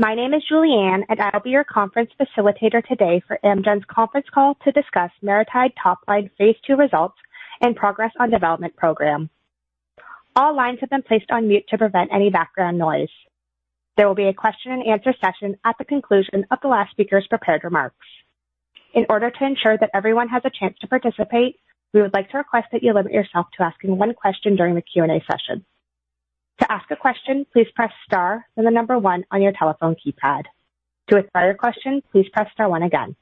My name is Julie Ann, and I'll be your conference facilitator today for Amgen's conference call to discuss MariTide Topline Phase II Results and Progress on the Development Program. All lines have been placed on mute to prevent any background noise. There will be a question-and-answer session at the conclusion of the last speaker's prepared remarks. In order to ensure that everyone has a chance to participate, we would like to request that you limit yourself to asking one question during the Q&A session. To ask a question, please press star then the number one on your telephone keypad. To ask a question, please press star one again.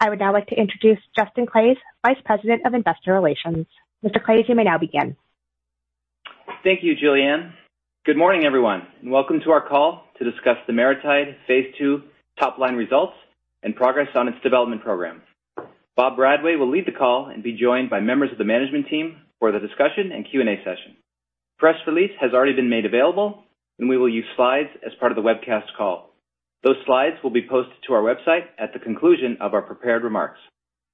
I would now like to introduce Justin Claeys, Vice President of Investor Relations. Mr. Claeys, you may now begin. Thank you, Julie Ann. Good morning, everyone, and welcome to our call to discuss the MariTide Phase II Topline Results and Progress on its development program. Bob Bradway will lead the call and be joined by members of the management team for the discussion and Q&A session. Press release has already been made available, and we will use slides as part of the webcast call. Those slides will be posted to our website at the conclusion of our prepared remarks.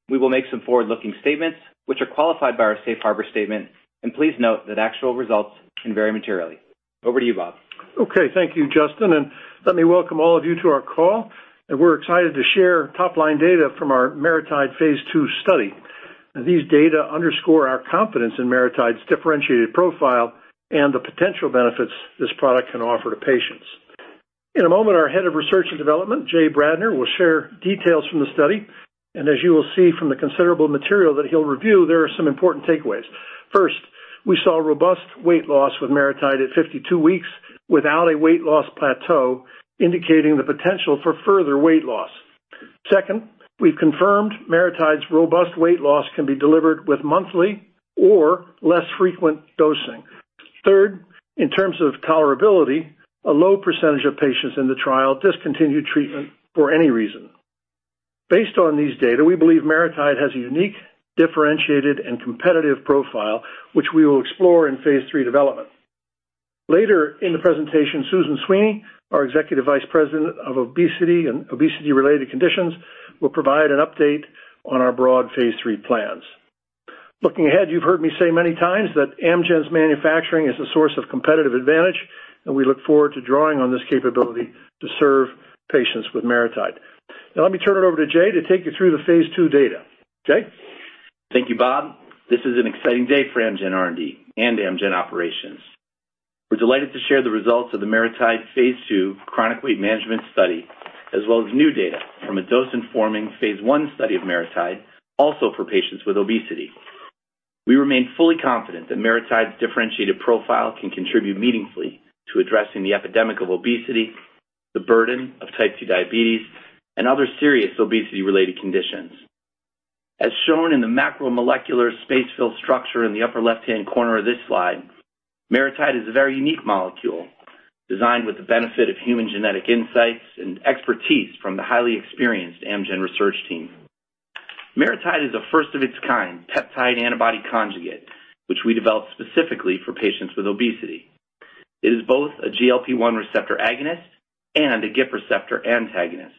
We will make some forward-looking statements, which are qualified by our Safe Harbor Statement, and please note that actual results can vary materially. Over to you, Bob. Okay, thank you, Justin. And let me welcome all of you to our call. We're excited to share top-line data from our MariTide Phase II study. These data underscore our confidence in MariTide's differentiated profile and the potential benefits this product can offer to patients. In a moment, our head of research and development, Jay Bradner, will share details from the study. And as you will see from the considerable material that he'll review, there are some important takeaways. First, we saw robust weight loss with MariTide at 52 weeks without a weight loss plateau, indicating the potential for further weight loss. Second, we've confirmed MariTide's robust weight loss can be delivered with monthly or less frequent dosing. Third, in terms of tolerability, a low percentage of patients in the trial discontinued treatment for any reason. Based on these data, we believe MariTide has a unique, differentiated, and competitive profile, which we will explore in phase III development. Later in the presentation, Susan Sweeney, our Executive Vice President of Obesity and Obesity-Related Conditions, will provide an update on our broad phase III plans. Looking ahead, you've heard me say many times that Amgen's manufacturing is a source of competitive advantage, and we look forward to drawing on this capability to serve patients with MariTide. Now, let me turn it over to Jay to take you through the phase II data. Jay? Thank you, Bob. This is an exciting day for Amgen R&D and Amgen Operations. We're delighted to share the results of the MariTide phase II chronic weight management study, as well as new data from a dose-informing phase I study of MariTide, also for patients with obesity. We remain fully confident that MariTide's differentiated profile can contribute meaningfully to addressing the epidemic of obesity, the burden of Type 2 diabetes, and other serious obesity-related conditions. As shown in the macromolecular space-filled structure in the upper left-hand corner of this slide, MariTide is a very unique molecule designed with the benefit of human genetic insights and expertise from the highly experienced Amgen research team. MariTide is a first-of-its-kind peptide antibody conjugate, which we developed specifically for patients with obesity. It is both a GLP-1 receptor agonist and a GIP receptor antagonist.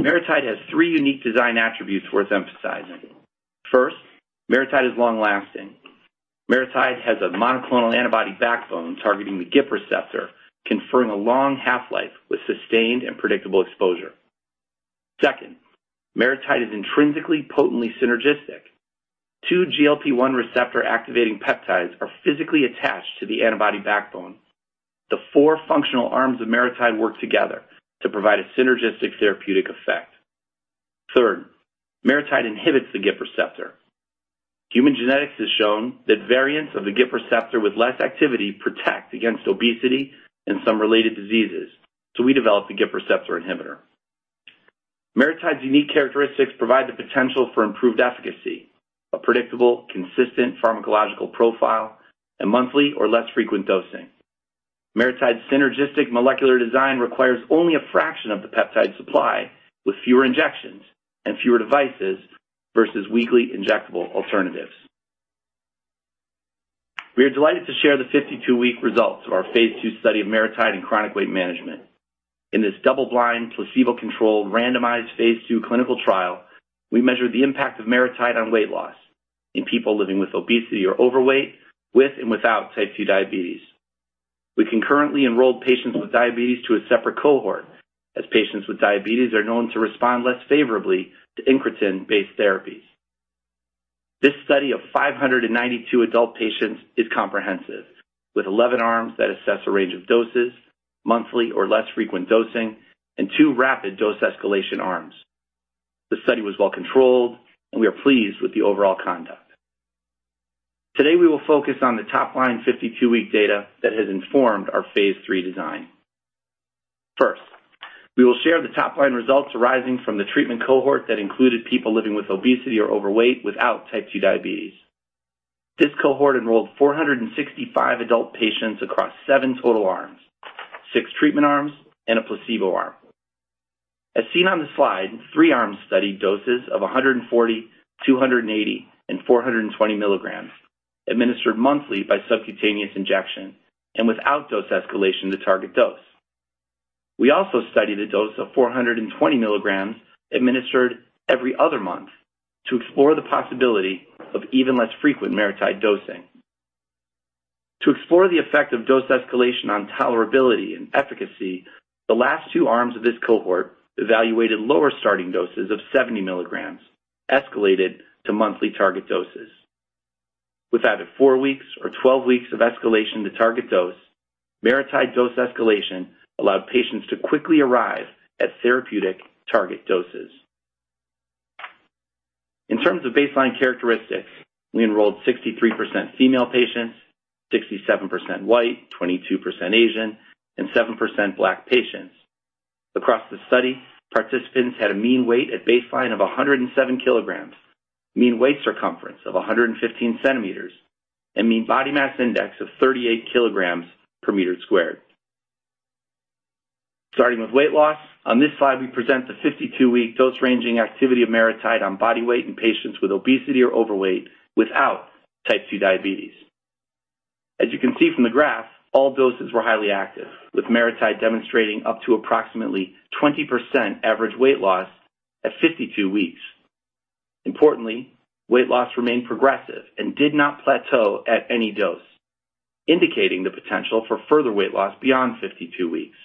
MariTide has three unique design attributes worth emphasizing. First, MariTide is long-lasting. MariTide has a monoclonal antibody backbone targeting the GIP receptor, conferring a long half-life with sustained and predictable exposure. Second, MariTide is intrinsically potently synergistic. Two GLP-1 receptor-activating peptides are physically attached to the antibody backbone. The four functional arms of MariTide work together to provide a synergistic therapeutic effect. Third, MariTide inhibits the GIP receptor. Human genetics has shown that variants of the GIP receptor with less activity protect against obesity and some related diseases, so we developed the GIP receptor inhibitor. MariTide's unique characteristics provide the potential for improved efficacy, a predictable, consistent pharmacological profile, and monthly or less frequent dosing. MariTide's synergistic molecular design requires only a fraction of the peptide supply, with fewer injections and fewer devices versus weekly injectable alternatives. We are delighted to share the 52-week results of our phase II study of MariTide in chronic weight management. In this double-blind, placebo-controlled, randomized phase II clinical trial, we measured the impact of MariTide on weight loss in people living with obesity or overweight, with and without Type 2 diabetes. We concurrently enrolled patients with diabetes to a separate cohort, as patients with diabetes are known to respond less favorably to incretin-based therapies. This study of 592 adult patients is comprehensive, with 11 arms that assess a range of doses, monthly or less frequent dosing, and two rapid dose escalation arms. The study was well-controlled, and we are pleased with the overall conduct. Today, we will focus on the top-line 52-week data that has informed our phase III design. First, we will share the top-line results arising from the treatment cohort that included people living with obesity or overweight without Type 2 diabetes. This cohort enrolled 465 adult patients across seven total arms, six treatment arms, and a placebo arm. As seen on the slide, three arms studied doses of 140, 280, and 420 mg, administered monthly by subcutaneous injection and without dose escalation to target dose. We also studied a dose of 420 mg administered every other month to explore the possibility of even less frequent MariTide dosing. To explore the effect of dose escalation on tolerability and efficacy, the last two arms of this cohort evaluated lower starting doses of 70 mg, escalated to monthly target doses. With either four weeks or 12 weeks of escalation to target dose, MariTide dose escalation allowed patients to quickly arrive at therapeutic target doses. In terms of baseline characteristics, we enrolled 63% female patients, 67% white, 22% Asian, and 7% black patients. Across the study, participants had a mean weight at baseline of 107 kilograms, mean waist circumference of 115 centimeters, and mean body mass index of 38 kilograms per meter squared. Starting with weight loss, on this slide, we present the 52-week dose-ranging activity of MariTide on body weight in patients with obesity or overweight without Type 2 diabetes. As you can see from the graph, all doses were highly active, with MariTide demonstrating up to approximately 20% average weight loss at 52 weeks. Importantly, weight loss remained progressive and did not plateau at any dose, indicating the potential for further weight loss beyond 52 weeks.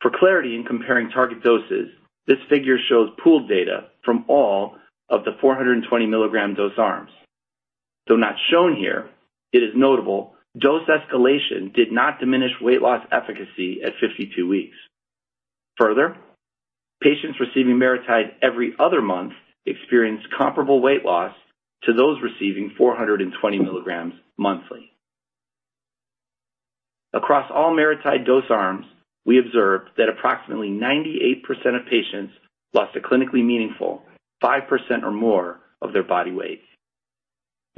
For clarity in comparing target doses, this figure shows pooled data from all of the 420 mg dose arms. Though not shown here, it is notable dose escalation did not diminish weight loss efficacy at 52 weeks. Further, patients receiving MariTide every other month experienced comparable weight loss to those receiving 420 mg monthly. Across all MariTide dose arms, we observed that approximately 98% of patients lost a clinically meaningful 5% or more of their body weight.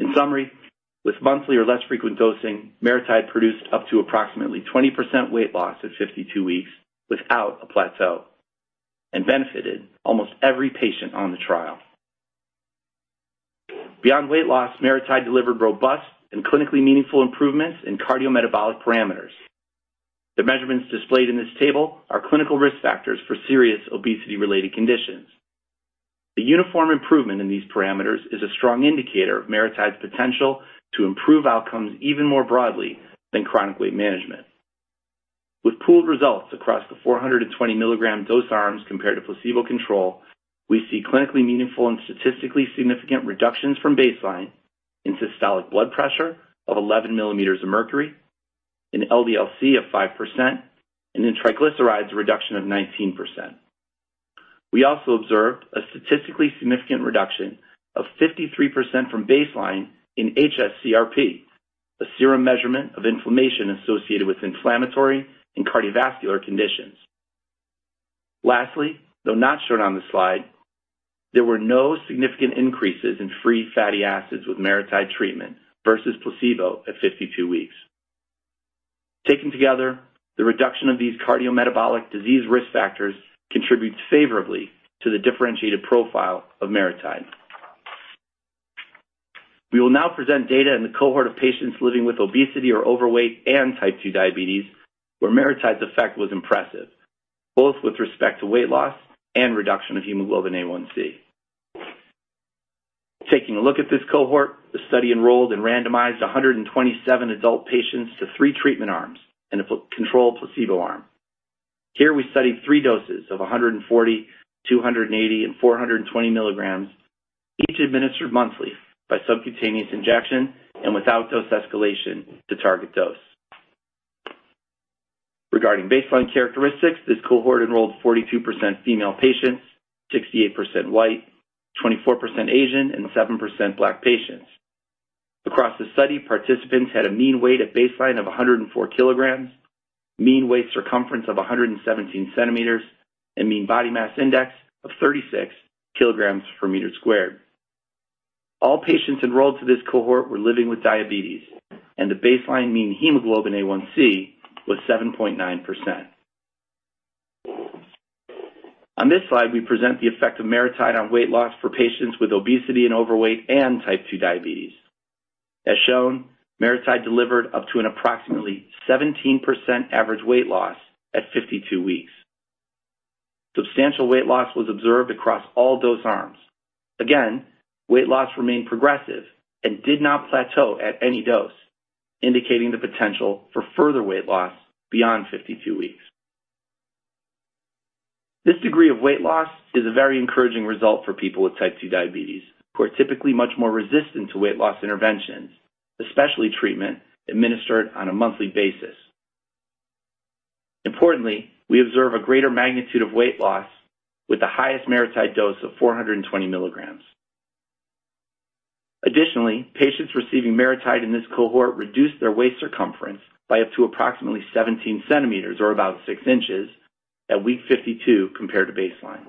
In summary, with monthly or less frequent dosing, MariTide produced up to approximately 20% weight loss at 52 weeks without a plateau and benefited almost every patient on the trial. Beyond weight loss, MariTide delivered robust and clinically meaningful improvements in cardiometabolic parameters. The measurements displayed in this table are clinical risk factors for serious obesity-related conditions. The uniform improvement in these parameters is a strong indicator of MariTide's potential to improve outcomes even more broadly than chronic weight management. With pooled results across the 420 mg dose arms compared to placebo control, we see clinically meaningful and statistically significant reductions from baseline in systolic blood pressure of 11 millimeters of mercury, in LDL-C of 5%, and in triglycerides, a reduction of 19%. We also observed a statistically significant reduction of 53% from baseline in hs-CRP, a serum measurement of inflammation associated with inflammatory and cardiovascular conditions. Lastly, though not shown on the slide, there were no significant increases in free fatty acids with MariTide treatment versus placebo at 52 weeks. Taken together, the reduction of these cardiometabolic disease risk factors contributes favorably to the differentiated profile of MariTide. We will now present data in the cohort of patients living with obesity or overweight and Type 2 diabetes, where MariTide's effect was impressive, both with respect to weight loss and reduction of hemoglobin A1C. Taking a look at this cohort, the study enrolled and randomized 127 adult patients to three treatment arms and a controlled placebo arm. Here, we studied three doses of 140, 280, and 420 mg, each administered monthly by subcutaneous injection and without dose escalation to target dose. Regarding baseline characteristics, this cohort enrolled 42% female patients, 68% white, 24% Asian, and 7% black patients. Across the study, participants had a mean weight at baseline of 104 kilograms, mean waist circumference of 117 centimeters, and mean body mass index of 36 kilograms per meter squared. All patients enrolled to this cohort were living with diabetes, and the baseline mean hemoglobin A1C was 7.9%. On this slide, we present the effect of MariTide on weight loss for patients with obesity and overweight and Type 2 diabetes. As shown, MariTide delivered up to an approximately 17% average weight loss at 52 weeks. Substantial weight loss was observed across all dose arms. Again, weight loss remained progressive and did not plateau at any dose, indicating the potential for further weight loss beyond 52 weeks. This degree of weight loss is a very encouraging result for people with Type 2 diabetes, who are typically much more resistant to weight loss interventions, especially treatment administered on a monthly basis. Importantly, we observe a greater magnitude of weight loss with the highest MariTide dose of 420 mg. Additionally, patients receiving MariTide in this cohort reduced their waist circumference by up to approximately 17 centimeters, or about six inches, at week 52 compared to baseline.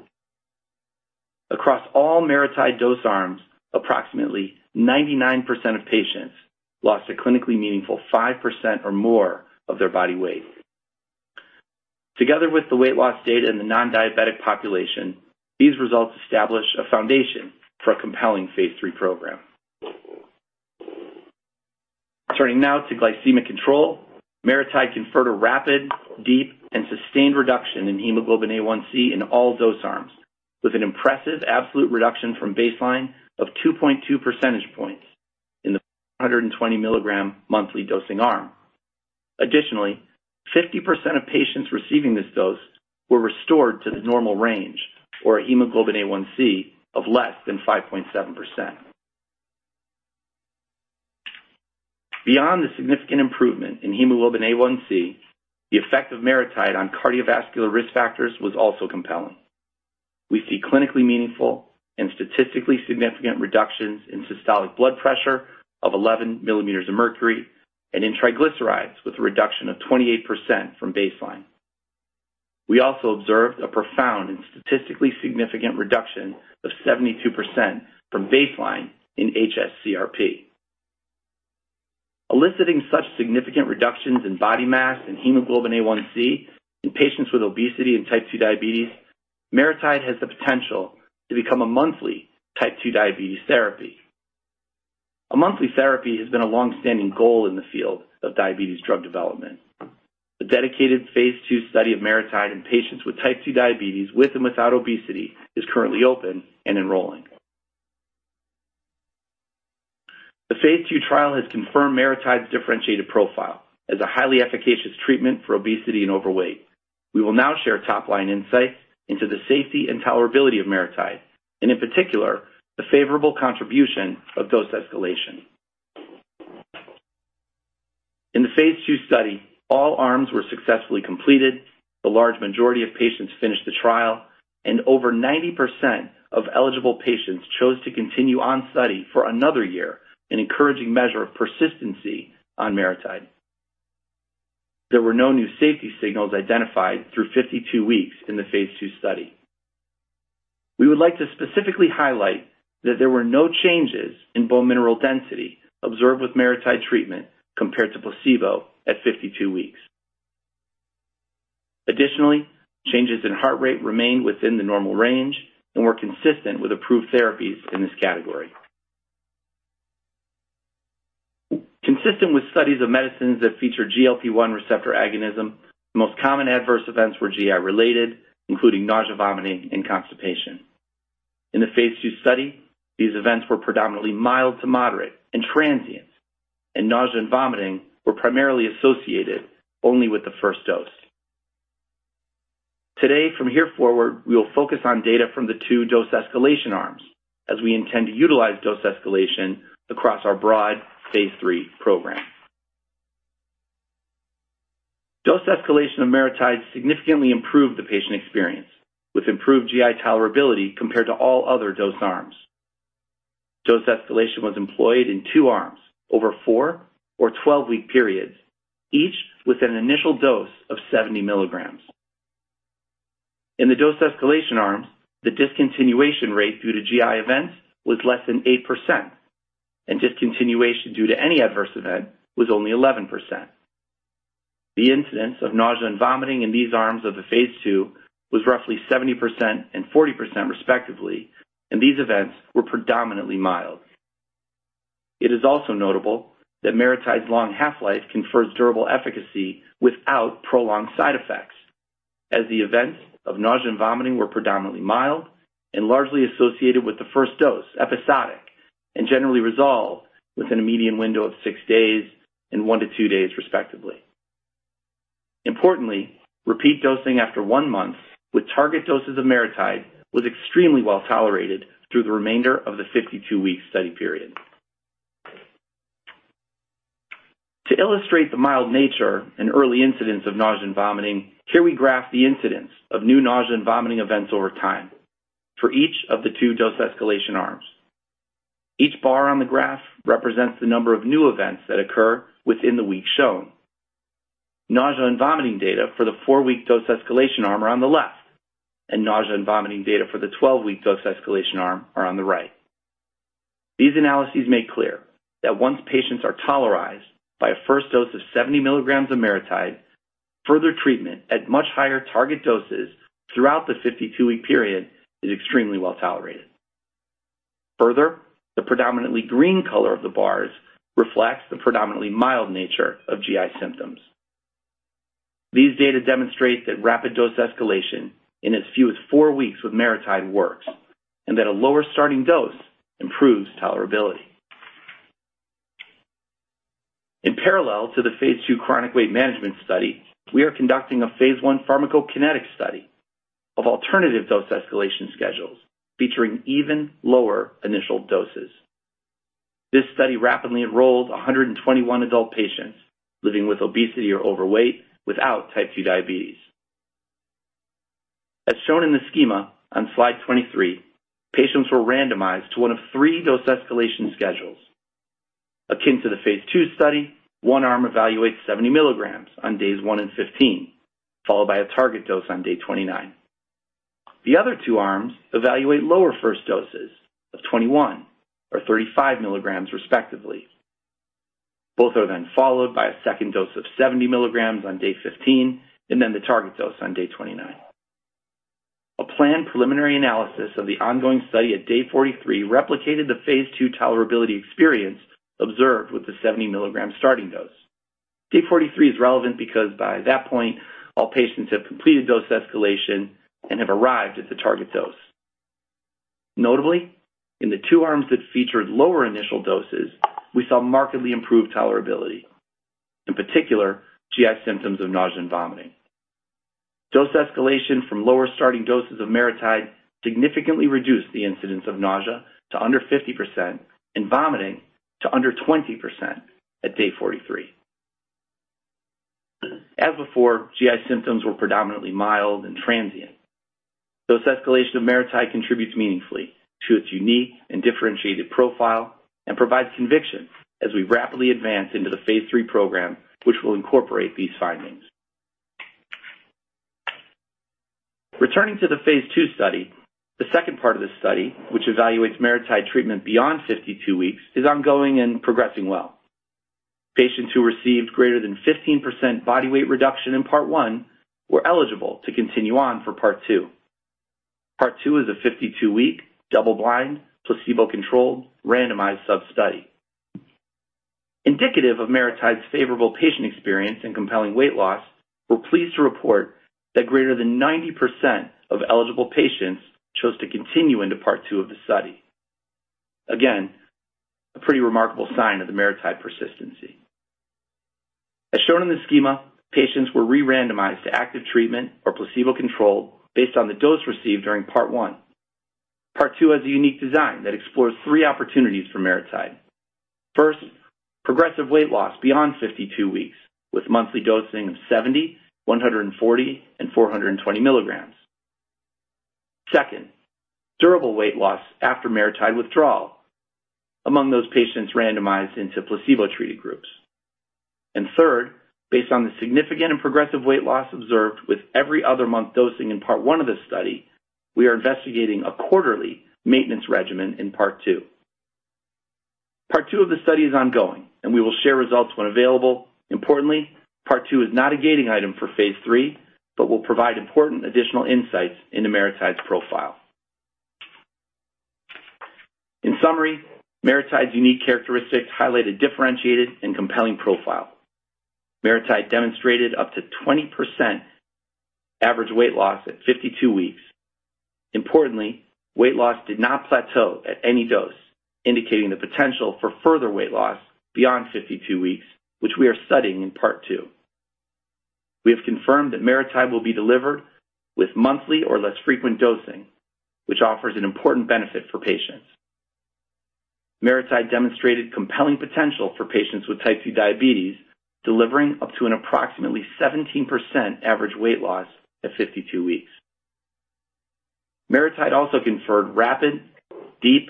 Across all MariTide dose arms, approximately 99% of patients lost a clinically meaningful 5% or more of their body weight. Together with the weight loss data in the non-diabetic population, these results establish a foundation for a compelling phase III program. Turning now to glycemic control, MariTide conferred a rapid, deep, and sustained reduction in hemoglobin A1C in all dose arms, with an impressive absolute reduction from baseline of 2.2 percentage points in the 420 mg monthly dosing arm. Additionally, 50% of patients receiving this dose were restored to the normal range, or a hemoglobin A1C of less than 5.7%. Beyond the significant improvement in hemoglobin A1C, the effect of MariTide on cardiovascular risk factors was also compelling. We see clinically meaningful and statistically significant reductions in systolic blood pressure of 11 millimeters of mercury and in triglycerides with a reduction of 28% from baseline. We also observed a profound and statistically significant reduction of 72% from baseline in hs-CRP. Eliciting such significant reductions in body mass and hemoglobin A1C in patients with obesity and Type 2 diabetes, MariTide has the potential to become a monthly Type 2 diabetes therapy. A monthly therapy has been a long-standing goal in the field of diabetes drug development. A dedicated phase II study of MariTide in patients with Type 2 diabetes with and without obesity is currently open and enrolling. The phase II trial has confirmed MariTide's differentiated profile as a highly efficacious treatment for obesity and overweight. We will now share top-line insights into the safety and tolerability of MariTide, and in particular, the favorable contribution of dose escalation. In the phase II study, all arms were successfully completed, the large majority of patients finished the trial, and over 90% of eligible patients chose to continue on study for another year, an encouraging measure of persistency on MariTide. There were no new safety signals identified through 52 weeks in the phase II study. We would like to specifically highlight that there were no changes in bone mineral density observed with MariTide treatment compared to placebo at 52 weeks. Additionally, changes in heart rate remained within the normal range and were consistent with approved therapies in this category. Consistent with studies of medicines that feature GLP-1 receptor agonism, the most common adverse events were GI-related, including nausea, vomiting, and constipation. In the phase II study, these events were predominantly mild to moderate and transient, and nausea and vomiting were primarily associated only with the first dose. Today, from here forward, we will focus on data from the two dose escalation arms, as we intend to utilize dose escalation across our broad phase III program. Dose escalation of MariTide significantly improved the patient experience, with improved GI tolerability compared to all other dose arms. Dose escalation was employed in two arms over four or 12-week periods, each with an initial dose of 70 mg. In the dose escalation arms, the discontinuation rate due to GI events was less than 8%, and discontinuation due to any adverse event was only 11%. The incidence of nausea and vomiting in these arms of the phase II was roughly 70% and 40%, respectively, and these events were predominantly mild. It is also notable that MariTide's long half-life confers durable efficacy without prolonged side effects, as the events of nausea and vomiting were predominantly mild and largely associated with the first dose, episodic, and generally resolved within a median window of six days and one to two days, respectively. Importantly, repeat dosing after one month with target doses of MariTide was extremely well tolerated through the remainder of the 52-week study period. To illustrate the mild nature and early incidence of nausea and vomiting, here we graph the incidence of new nausea and vomiting events over time for each of the two dose escalation arms. Each bar on the graph represents the number of new events that occur within the week shown. Nausea and vomiting data for the four-week dose escalation arm are on the left, and nausea and vomiting data for the 12-week dose escalation arm are on the right. These analyses make clear that once patients are tolerized by a first dose of 70 mg of MariTide, further treatment at much higher target doses throughout the 52-week period is extremely well tolerated. Further, the predominantly green color of the bars reflects the predominantly mild nature of GI symptoms. These data demonstrate that rapid dose escalation in as few as four weeks with MariTide works, and that a lower starting dose improves tolerability. In parallel to the phase II chronic weight management study, we are conducting a phase I pharmacokinetic study of alternative dose escalation schedules featuring even lower initial doses. This study rapidly enrolled 121 adult patients living with obesity or overweight without Type 2 diabetes. As shown in the schema on slide 23, patients were randomized to one of three dose escalation schedules. Akin to the phase II study, one arm evaluates 70 mg on days 1 and 15, followed by a target dose on day 29. The other two arms evaluate lower first doses of 21 or 35 mg, respectively. Both are then followed by a second dose of 70 mg on day 15, and then the target dose on day 29. A planned preliminary analysis of the ongoing study at day 43 replicated the phase II tolerability experience observed with the 70 milligram starting dose. Day 43 is relevant because by that point, all patients have completed dose escalation and have arrived at the target dose. Notably, in the two arms that featured lower initial doses, we saw markedly improved tolerability, in particular GI symptoms of nausea and vomiting. Dose escalation from lower starting doses of MariTide significantly reduced the incidence of nausea to under 50% and vomiting to under 20% at day 43. As before, GI symptoms were predominantly mild and transient. Dose escalation of MariTide contributes meaningfully to its unique and differentiated profile and provides conviction as we rapidly advance into the phase III program, which will incorporate these findings. Returning to the phase II study, the second part of this study, which evaluates MariTide treatment beyond 52 weeks, is ongoing and progressing well. Patients who received greater than 15% body weight reduction in Part One were eligible to continue on for Part Two. Part Two is a 52-week, double-blind, placebo-controlled, randomized sub-study. Indicative of MariTide's favorable patient experience and compelling weight loss, we're pleased to report that greater than 90% of eligible patients chose to continue into Part Two of the study. Again, a pretty remarkable sign of the MariTide persistence. As shown in the schema, patients were re-randomized to active treatment or placebo-controlled based on the dose received during Part One. Part Two has a unique design that explores three opportunities for MariTide. First, progressive weight loss beyond 52 weeks with monthly dosing of 70, 140, and 420 mg. Second, durable weight loss after MariTide withdrawal among those patients randomized into placebo-treated groups, and third, based on the significant and progressive weight loss observed with every other month dosing in Part One of this study, we are investigating a quarterly maintenance regimen in Part Two. Part Two of the study is ongoing, and we will share results when available. Importantly, Part Two is not a gating item for phase III, but will provide important additional insights into MariTide's profile. In summary, MariTide's unique characteristics highlight a differentiated and compelling profile. MariTide demonstrated up to 20% average weight loss at 52 weeks. Importantly, weight loss did not plateau at any dose, indicating the potential for further weight loss beyond 52 weeks, which we are studying in Part Two. We have confirmed that MariTide will be delivered with monthly or less frequent dosing, which offers an important benefit for patients. MariTide demonstrated compelling potential for patients with Type 2 diabetes, delivering up to an approximately 17% average weight loss at 52 weeks. MariTide also conferred rapid, deep,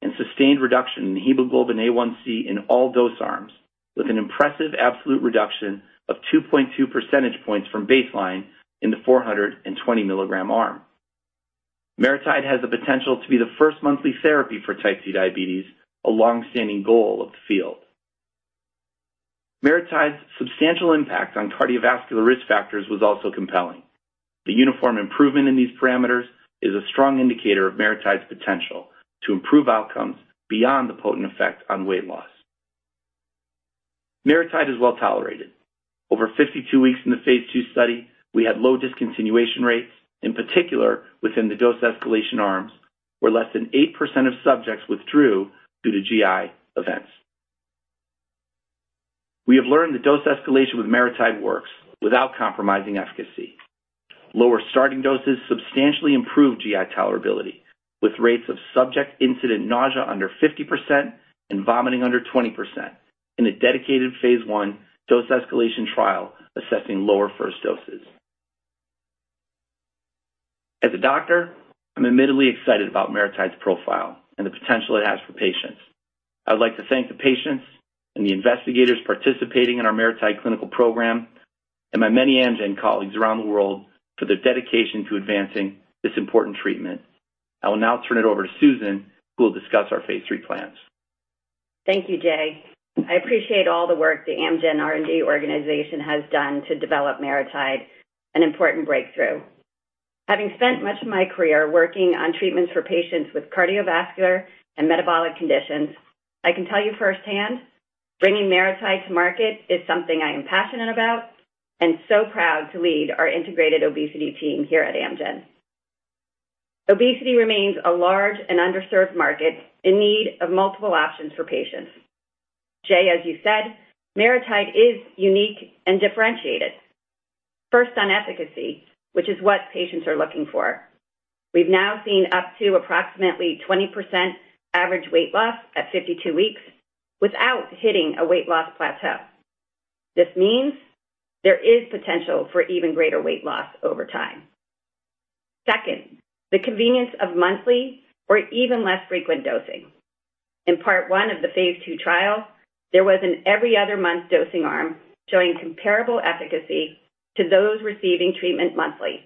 and sustained reduction in hemoglobin A1C in all dose arms, with an impressive absolute reduction of 2.2 percentage points from baseline in the 420 milligram arm. MariTide has the potential to be the first monthly therapy for Type 2 diabetes, a long-standing goal of the field. MariTide's substantial impact on cardiovascular risk factors was also compelling. The uniform improvement in these parameters is a strong indicator of MariTide's potential to improve outcomes beyond the potent effect on weight loss. MariTide is well tolerated. Over 52 weeks in the phase II study, we had low discontinuation rates, in particular within the dose escalation arms, where less than 8% of subjects withdrew due to GI events. We have learned that dose escalation with MariTide works without compromising efficacy. Lower starting doses substantially improved GI tolerability, with rates of subject incident nausea under 50% and vomiting under 20% in a dedicated phase I dose escalation trial assessing lower first doses. As a doctor, I'm admittedly excited about MariTide's profile and the potential it has for patients. I would like to thank the patients and the investigators participating in our MariTide clinical program, and my many Amgen colleagues around the world for their dedication to advancing this important treatment. I will now turn it over to Susan, who will discuss our phase III plans. Thank you, Jay. I appreciate all the work the Amgen R&D organization has done to develop MariTide, an important breakthrough. Having spent much of my career working on treatments for patients with cardiovascular and metabolic conditions, I can tell you firsthand, bringing MariTide to market is something I am passionate about and so proud to lead our integrated obesity team here at Amgen. Obesity remains a large and underserved market in need of multiple options for patients. Jay, as you said, MariTide is unique and differentiated, first on efficacy, which is what patients are looking for. We've now seen up to approximately 20% average weight loss at 52 weeks without hitting a weight loss plateau. This means there is potential for even greater weight loss over time. Second, the convenience of monthly or even less frequent dosing. In part one of the phase II trial, there was an every other month dosing arm showing comparable efficacy to those receiving treatment monthly.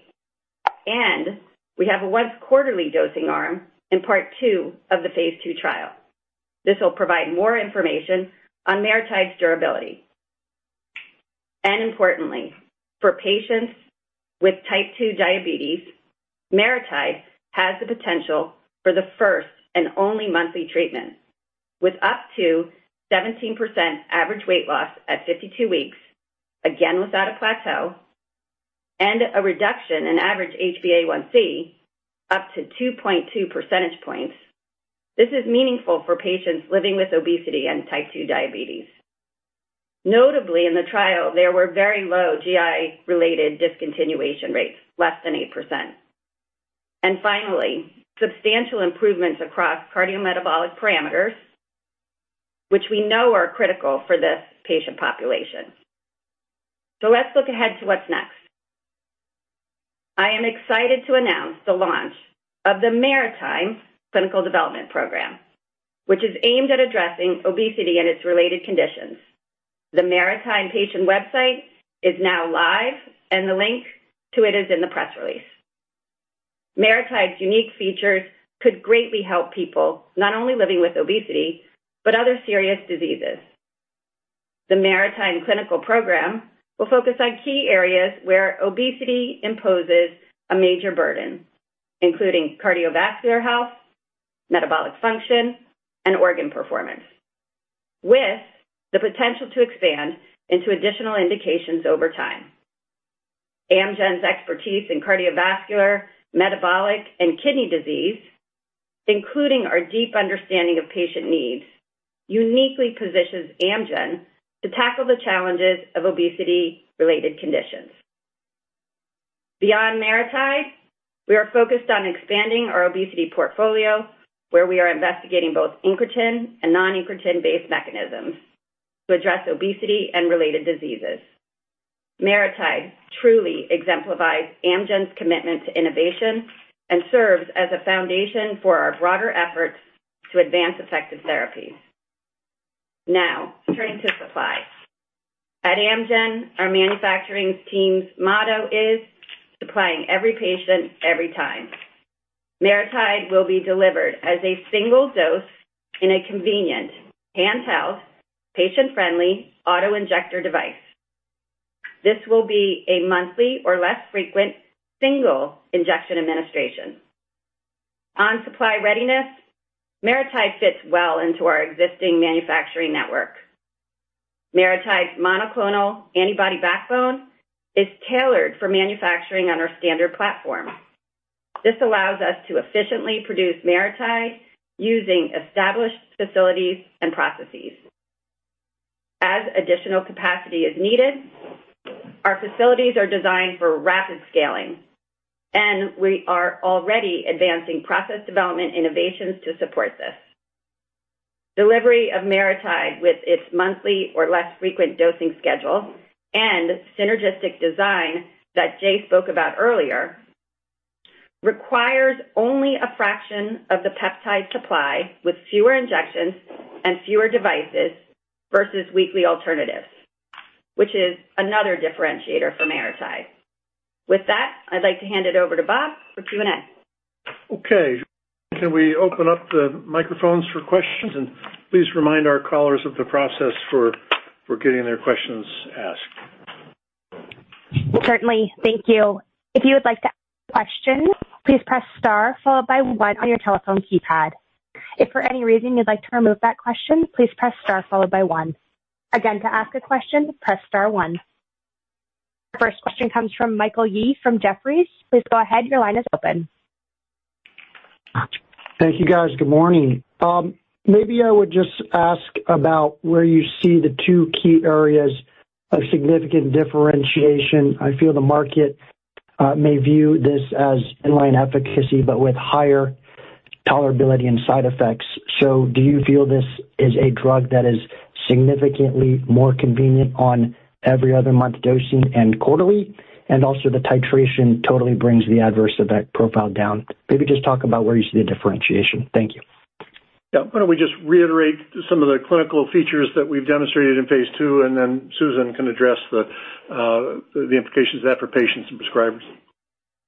We have a once-quarterly dosing arm in part 2 of the phase II trial. This will provide more information on MariTide's durability. Importantly, for patients with Type 2 diabetes, MariTide has the potential for the first and only monthly treatment, with up to 17% average weight loss at 52 weeks, again without a plateau, and a reduction in average HbA1c up to 2.2 percentage points. This is meaningful for patients living with obesity and Type 2 diabetes. Notably, in the trial, there were very low GI-related discontinuation rates, less than 8%. Finally, substantial improvements across cardiometabolic parameters, which we know are critical for this patient population. Let's look ahead to what's next. I am excited to announce the launch of the MariTide Clinical Development Program, which is aimed at addressing obesity and its related conditions. The MariTide patient website is now live, and the link to it is in the press release. MariTide's unique features could greatly help people not only living with obesity, but other serious diseases. The MariTide Clinical Program will focus on key areas where obesity imposes a major burden, including cardiovascular health, metabolic function, and organ performance, with the potential to expand into additional indications over time. Amgen's expertise in cardiovascular, metabolic, and kidney disease, including our deep understanding of patient needs, uniquely positions Amgen to tackle the challenges of obesity-related conditions. Beyond MariTide, we are focused on expanding our obesity portfolio, where we are investigating both incretin and non-incretin-based mechanisms to address obesity and related diseases. MariTide truly exemplifies Amgen's commitment to innovation and serves as a foundation for our broader efforts to advance effective therapies. Now, turning to supply. At Amgen, our manufacturing team's motto is, "Supplying every patient, every time." MariTide will be delivered as a single dose in a convenient, handheld, patient-friendly autoinjector device. This will be a monthly or less frequent single injection administration. On supply readiness, MariTide fits well into our existing manufacturing network. MariTide's monoclonal antibody backbone is tailored for manufacturing on our standard platform. This allows us to efficiently produce MariTide using established facilities and processes. As additional capacity is needed, our facilities are designed for rapid scaling, and we are already advancing process development innovations to support this. Delivery of MariTide with its monthly or less frequent dosing schedule and synergistic design that Jay spoke about earlier requires only a fraction of the peptide supply, with fewer injections and fewer devices versus weekly alternatives, which is another differentiator for MariTide. With that, I'd like to hand it over to Bob for Q&A. Okay. Can we open up the microphones for questions? And please remind our callers of the process for getting their questions asked. Certainly. Thank you. If you would like to ask a question, please press star followed by one on your telephone keypad. If for any reason you'd like to remove that question, please press star followed by one. Again, to ask a question, press star one. Our first question comes from Michael Yee from Jefferies. Please go ahead. Your line is open. Thank you, guys. Good morning. Maybe I would just ask about where you see the two key areas of significant differentiation. I feel the market may view this as in-line efficacy, but with higher tolerability and side effects. So do you feel this is a drug that is significantly more convenient on every other month dosing and quarterly? And also, the titration totally brings the adverse effect profile down. Maybe just talk about where you see the differentiation. Thank you. Yeah. Why don't we just reiterate some of the clinical features that we've demonstrated in phase II, and then Susan can address the implications of that for patients and prescribers.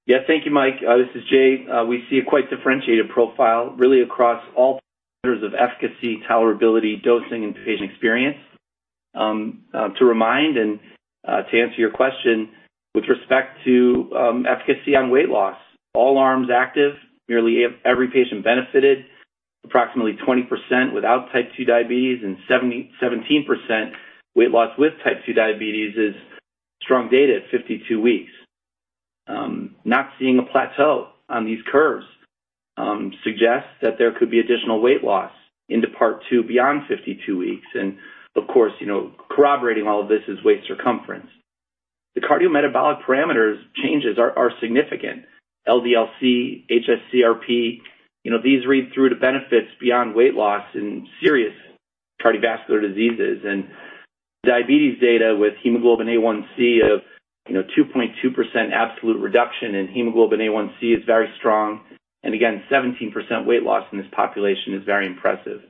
Yeah. Thank you, Mike. This is Jay. We see a quite differentiated profile, really, across all standards of efficacy, tolerability, dosing, and patient experience. To remind and to answer your question, with respect to efficacy on weight loss, all arms active, nearly every patient benefited, approximately 20% without Type 2 diabetes, and 17% weight loss with Type 2 diabetes is strong data at 52 weeks. Not seeing a plateau on these curves suggests that there could be additional weight loss into part 2 beyond 52 weeks. And of course, corroborating all of this is waist circumference. The cardiometabolic parameters changes are significant. LDL-C, hs-CRP, these read through to benefits beyond weight loss in serious cardiovascular diseases. And diabetes data with hemoglobin A1C of 2.2% absolute reduction in hemoglobin A1C is very strong. And again, 17% weight loss in this population is very impressive.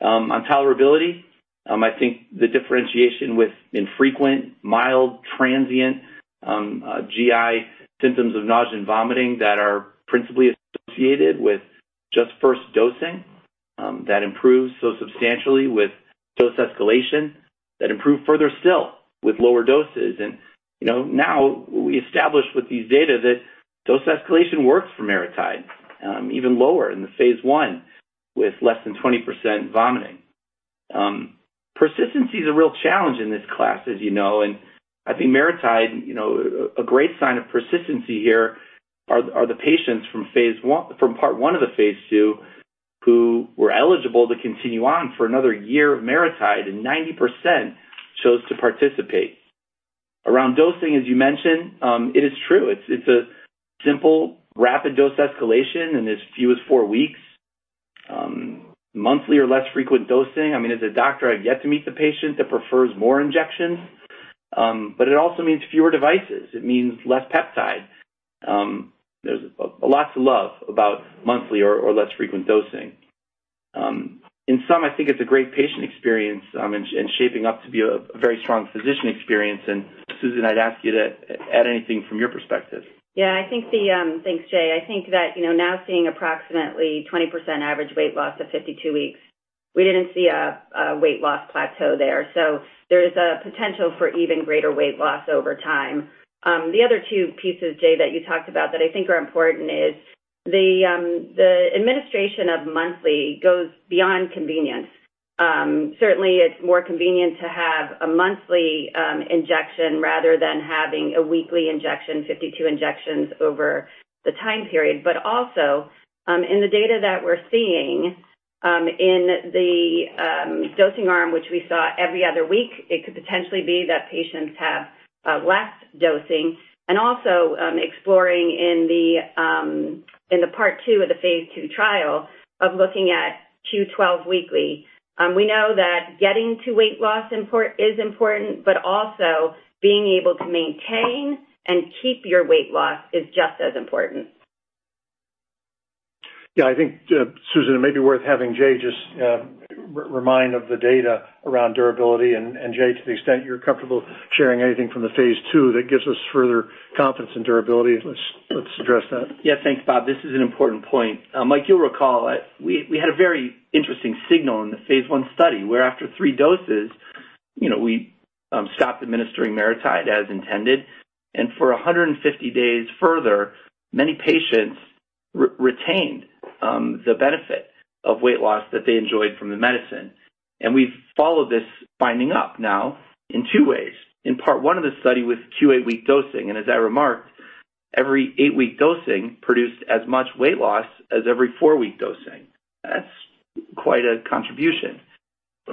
On tolerability, I think the differentiation with infrequent, mild, transient GI symptoms of nausea and vomiting that are principally associated with just first dosing that improves so substantially with dose escalation, that improve further still with lower doses. And now we established with these data that dose escalation works for MariTide, even lower in the phase I with less than 20% vomiting. Persistency is a real challenge in this class, as you know. I think MariTide, a great sign of persistence here, are the patients from part 1 of the phase II who were eligible to continue on for another year of MariTide, and 90% chose to participate. Around dosing, as you mentioned, it is true. It's a simple, rapid dose escalation in as few as four weeks. Monthly or less frequent dosing, I mean, as a doctor, I've yet to meet the patient that prefers more injections. But it also means fewer devices. It means less peptide. There's a lot to love about monthly or less frequent dosing. In some, I think it's a great patient experience and shaping up to be a very strong physician experience. And Susan, I'd ask you to add anything from your perspective. Yeah. Thanks, Jay. I think that now seeing approximately 20% average weight loss at 52 weeks, we didn't see a weight loss plateau there. So there is a potential for even greater weight loss over time. The other two pieces, Jay, that you talked about that I think are important is the administration of monthly goes beyond convenience. Certainly, it's more convenient to have a monthly injection rather than having a weekly injection, 52 injections over the time period. But also, in the data that we're seeing in the dosing arm, which we saw every other week, it could potentially be that patients have less dosing. And also exploring in the part 2 of the phase II trial of looking at Q12 weekly, we know that getting to weight loss is important, but also being able to maintain and keep your weight loss is just as important. Yeah. I think, Susan, it may be worth having Jay just remind of the data around durability, and Jay, to the extent you're comfortable sharing anything from the phase II that gives us further confidence in durability, let's address that. Yeah. Thanks, Bob. This is an important point. Mike, you'll recall we had a very interesting signal in the phase I study where, after three doses, we stopped administering MariTide as intended, and for 150 days further, many patients retained the benefit of weight loss that they enjoyed from the medicine, and we've followed this finding up now in two ways. In Part One of the study with Q8 week dosing, and as I remarked, every eight-week dosing produced as much weight loss as every four-week dosing. That's quite a contribution.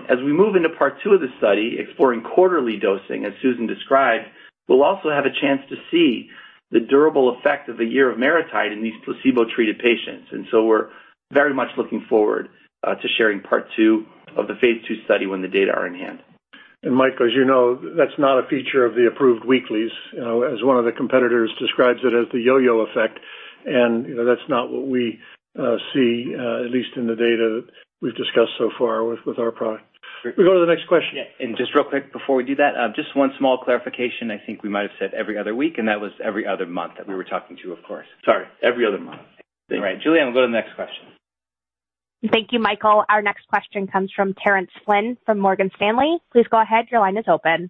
As we move into Part Two of the study, exploring quarterly dosing, as Susan described, we'll also have a chance to see the durable effect of a year of MariTide in these placebo-treated patients, and so we're very much looking forward to sharing Part Two of the phase II study when the data are in hand. And Mike, as you know, that's not a feature of the approved weeklies. As one of the competitors describes it as the yo-yo effect. And that's not what we see, at least in the data that we've discussed so far with our product. We go to the next question. Yeah, and just real quick before we do that, just one small clarification. I think we might have said every other week, and that was every other month that we were talking to, of course. Sorry. Every other month. Right. Julianne, we'll go to the next question. Thank you, Michael. Our next question comes from Terence Flynn from Morgan Stanley. Please go ahead. Your line is open.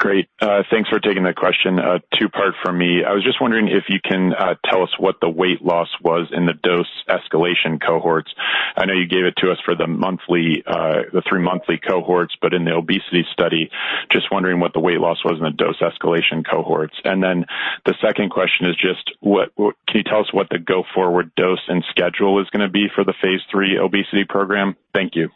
Great. Thanks for taking that question. Two-part from me. I was just wondering if you can tell us what the weight loss was in the dose escalation cohorts. I know you gave it to us for the three-monthly cohorts, but in the obesity study, just wondering what the weight loss was in the dose escalation cohorts. And then the second question is just, can you tell us what the go-forward dose and schedule is going to be for the phase III obesity program? Thank you.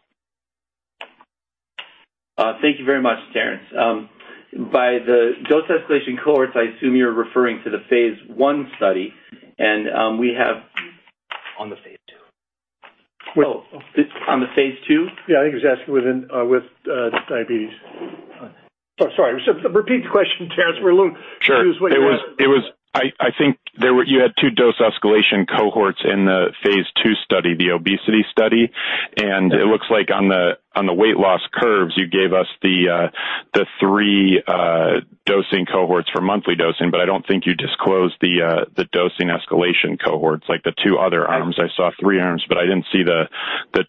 Thank you very much, Terence. By the dose escalation cohorts, I assume you're referring to the phase I study. And we have on the phase II. On the phase II? Yeah. I think it was asked with diabetes. Oh, sorry. Repeat the question, Terrence. We're losing what you asked. Sure. I think you had two dose escalation cohorts in the phase II study, the obesity study. And it looks like on the weight loss curves, you gave us the three dosing cohorts for monthly dosing, but I don't think you disclosed the dosing escalation cohorts, like the two other arms. I saw three arms, but I didn't see the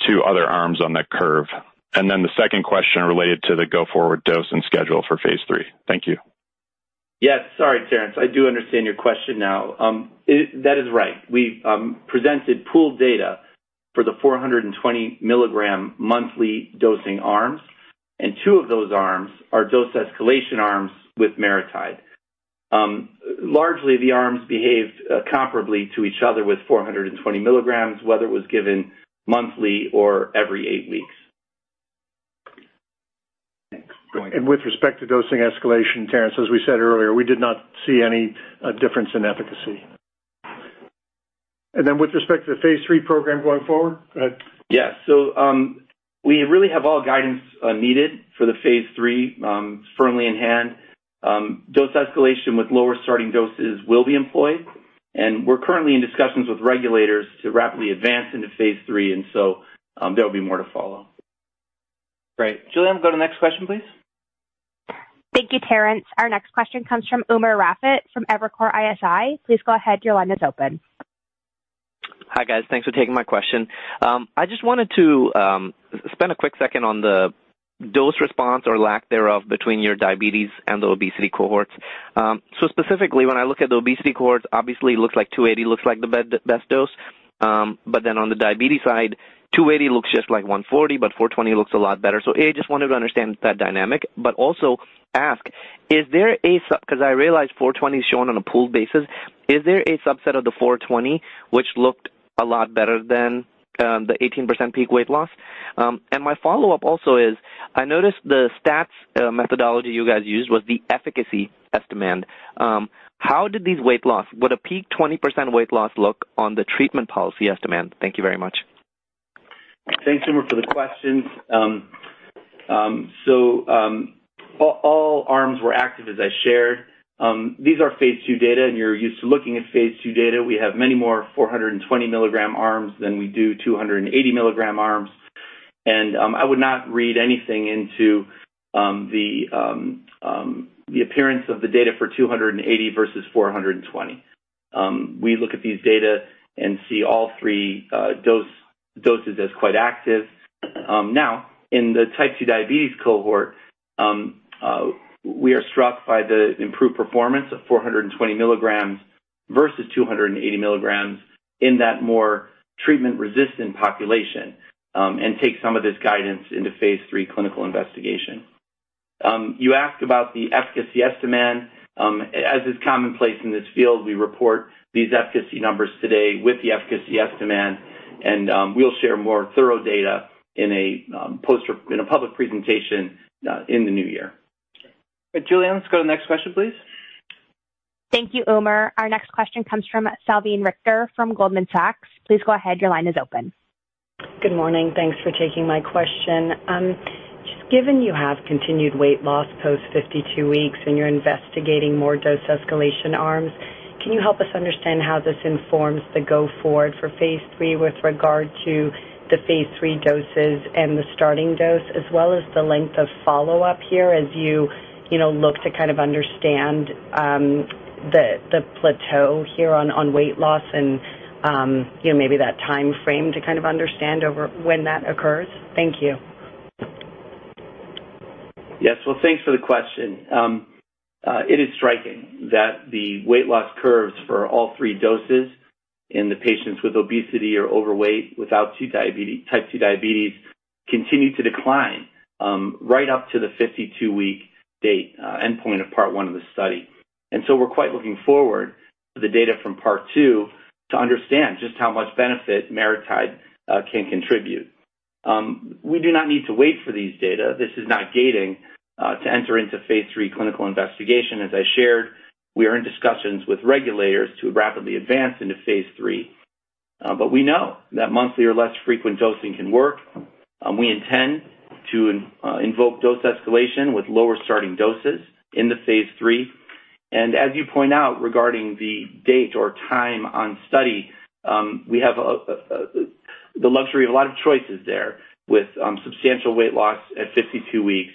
two other arms on that curve. And then the second question related to the go-forward dose and schedule for phase III. Thank you. Yes. Sorry, Terrence. I do understand your question now. That is right. We presented pooled data for the 420 mg monthly dosing arms. And two of those arms are dose escalation arms with MariTide. Largely, the arms behaved comparably to each other with 420 mg, whether it was given monthly or every eight weeks. And with respect to dose escalation, Terrence, as we said earlier, we did not see any difference in efficacy. And then with respect to the phase III program going forward, go ahead. Yeah. So we really have all guidance needed for the phase III firmly in hand. Dose escalation with lower starting doses will be employed. And we're currently in discussions with regulators to rapidly advance into phase III. And so there will be more to follow. Great. Julie Ann, go to the next question, please. Thank you, Terrence. Our next question comes from Umer Raffat from Evercore ISI. Please go ahead. Your line is open. Hi, guys. Thanks for taking my question. I just wanted to spend a quick second on the dose response or lack thereof between your diabetes and the obesity cohorts. So specifically, when I look at the obesity cohorts, obviously, it looks like 280 looks like the best dose. But then on the diabetes side, 280 looks just like 140, but 420 looks a lot better. So I just wanted to understand that dynamic. But also ask, is there a because I realize 420 is shown on a pooled basis, is there a subset of the 420 which looked a lot better than the 18% peak weight loss? And my follow-up also is, I noticed the stats methodology you guys used was the efficacy estimand. How did these weight loss would a peak 20% weight loss look on the treatment policy estimand? Thank you very much. Thanks, Umer, for the questions. So all arms were active, as I shared. These are phase II data, and you're used to looking at phase II data. We have many more 420 mg arms than we do 280 mg arms. And I would not read anything into the appearance of the data for 280 versus 420. We look at these data and see all three doses as quite active. Now, in the Type 2 diabetes cohort, we are struck by the improved performance of 420 mg versus 280 mg in that more treatment-resistant population and take some of this guidance into phase III clinical investigation. You asked about the efficacy estimand. As is commonplace in this field, we report these efficacy numbers today with the efficacy estimand. And we'll share more thorough data in a public presentation in the new year. Julie Ann, let's go to the next question, please. Thank you, Umer. Our next question comes from Salveen Richter from Goldman Sachs. Please go ahead. Your line is open. Good morning. Thanks for taking my question. Just given you have continued weight loss post-52 weeks and you're investigating more dose escalation arms, can you help us understand how this informs the go-forward for phase III with regard to the phase III doses and the starting dose, as well as the length of follow-up here as you look to kind of understand the plateau here on weight loss and maybe that time frame to kind of understand when that occurs? Thank you. Yes. Well, thanks for the question. It is striking that the weight loss curves for all three doses in the patients with obesity or overweight without Type 2 diabetes continue to decline right up to the 52-week endpoint of Part One of the study. And so we're quite looking forward to the data from Part Two to understand just how much benefit MariTide can contribute. We do not need to wait for these data. This is not gating to enter into phase III clinical investigation. As I shared, we are in discussions with regulators to rapidly advance into phase III. But we know that monthly or less frequent dosing can work. We intend to invoke dose escalation with lower starting doses in the phase III. And as you point out regarding the date or time on study, we have the luxury of a lot of choices there with substantial weight loss at 52 weeks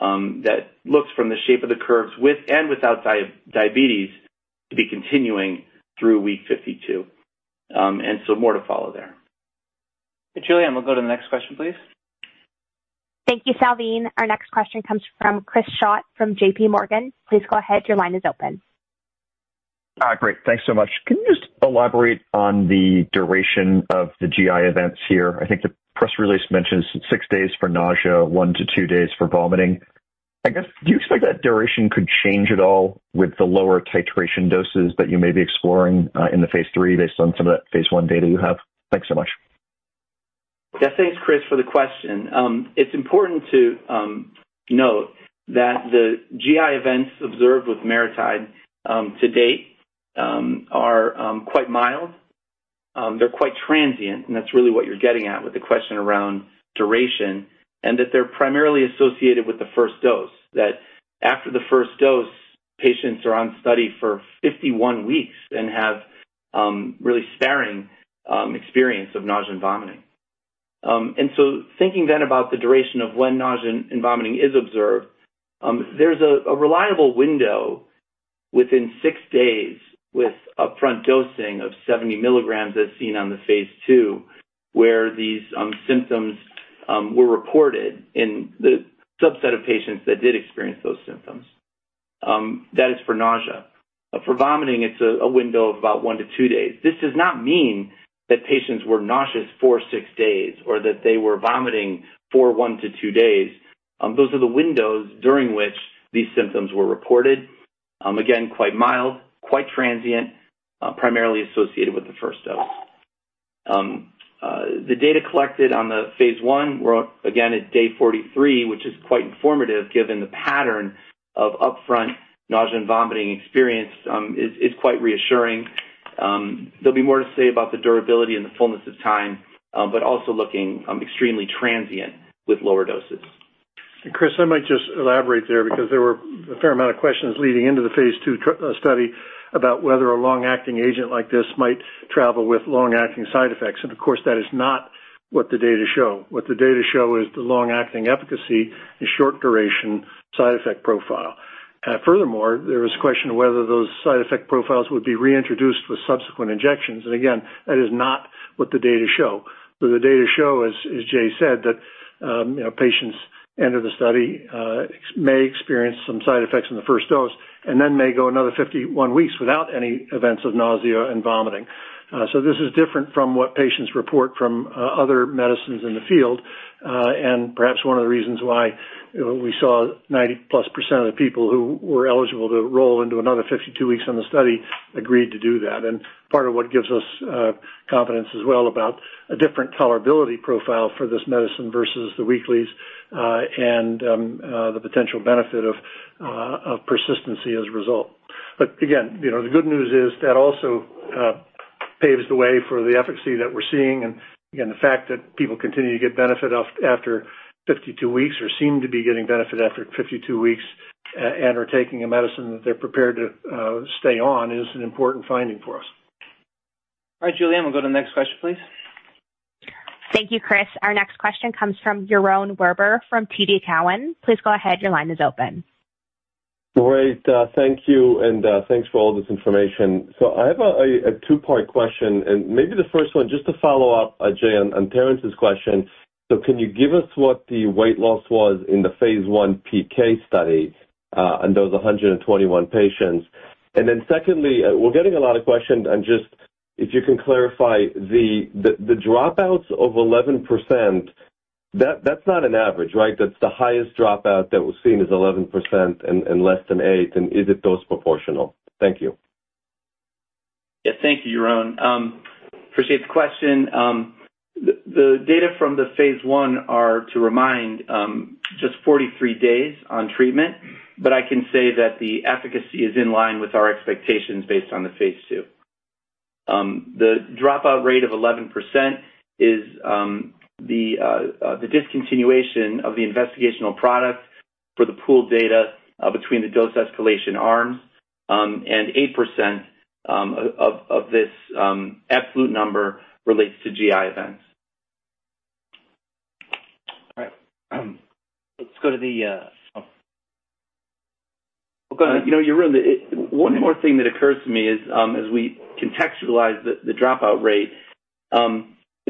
that looks, from the shape of the curves with and without diabetes, to be continuing through week 52. And so more to follow there. Julie Ann, we'll go to the next question, please. Thank you, Salveen. Our next question comes from Chris Schott from JPMorgan. Please go ahead. Your line is open. Great. Thanks so much. Can you just elaborate on the duration of the GI events here? I think the press release mentions six days for nausea, one to two days for vomiting. I guess, do you expect that duration could change at all with the lower titration doses that you may be exploring in the phase III based on some of that phase I data you have? Thanks so much. Yeah. Thanks, Chris, for the question. It's important to note that the GI events observed with MariTide to date are quite mild. They're quite transient, and that's really what you're getting at with the question around duration and that they're primarily associated with the first dose, that after the first dose, patients are on study for 51 weeks and have really sparing experience of nausea and vomiting. Thinking then about the duration of when nausea and vomiting is observed, there's a reliable window within six days with upfront dosing of 70 mg, as seen on the phase II, where these symptoms were reported in the subset of patients that did experience those symptoms. That is for nausea. For vomiting, it's a window of about one to two days. This does not mean that patients were nauseous for six days or that they were vomiting for one to two days. Those are the windows during which these symptoms were reported. Again, quite mild, quite transient, primarily associated with the first dose. The data collected on the phase I were, again, at day 43, which is quite informative given the pattern of upfront nausea and vomiting experience is quite reassuring. There'll be more to say about the durability and the fullness of time, but also looking extremely transient with lower doses. And Chris, I might just elaborate there because there were a fair amount of questions leading into the phase II study about whether a long-acting agent like this might travel with long-acting side effects. And of course, that is not what the data show. What the data show is the long-acting efficacy and short-duration side effect profile. Furthermore, there was a question of whether those side effect profiles would be reintroduced with subsequent injections. And again, that is not what the data show. But the data show, as Jay said, that patients enter the study, may experience some side effects in the first dose, and then may go another 51 weeks without any events of nausea and vomiting. So this is different from what patients report from other medicines in the field. And perhaps one of the reasons why we saw 90-plus% of the people who were eligible to roll into another 52 weeks on the study agreed to do that. And part of what gives us confidence as well about a different tolerability profile for this medicine versus the weeklies and the potential benefit of persistency as a result. But again, the good news is that also paves the way for the efficacy that we're seeing. And again, the fact that people continue to get benefit after 52 weeks or seem to be getting benefit after 52 weeks and are taking a medicine that they're prepared to stay on is an important finding for us. All right, Julie Ann, we'll go to the next question, please. Thank you, Chris. Our next question comes from Yaron Werber from TD Cowen. Please go ahead. Your line is open. Great. Thank you. And thanks for all this information. So I have a two-part question. And maybe the first one, just to follow up, Jay on Terrence's question. So can you give us what the weight loss was in the phase I PK study on those 121 patients? And then secondly, we're getting a lot of questions. And just if you can clarify, the dropouts of 11%, that's not an average, right? That's the highest dropout that was seen is 11% and less than 8%. And is it dose proportional? Thank you. Yeah. Thank you, Yaron. Appreciate the question. The data from the phase I are, to remind, just 43 days on treatment. But I can say that the efficacy is in line with our expectations based on the phase II. The dropout rate of 11% is the discontinuation of the investigational product for the pooled data between the dose escalation arms. And 8% of this absolute number relates to GI events. All right. Let's go to the... oh, go ahead. Yaron, one more thing that occurs to me is, as we contextualize the dropout rate,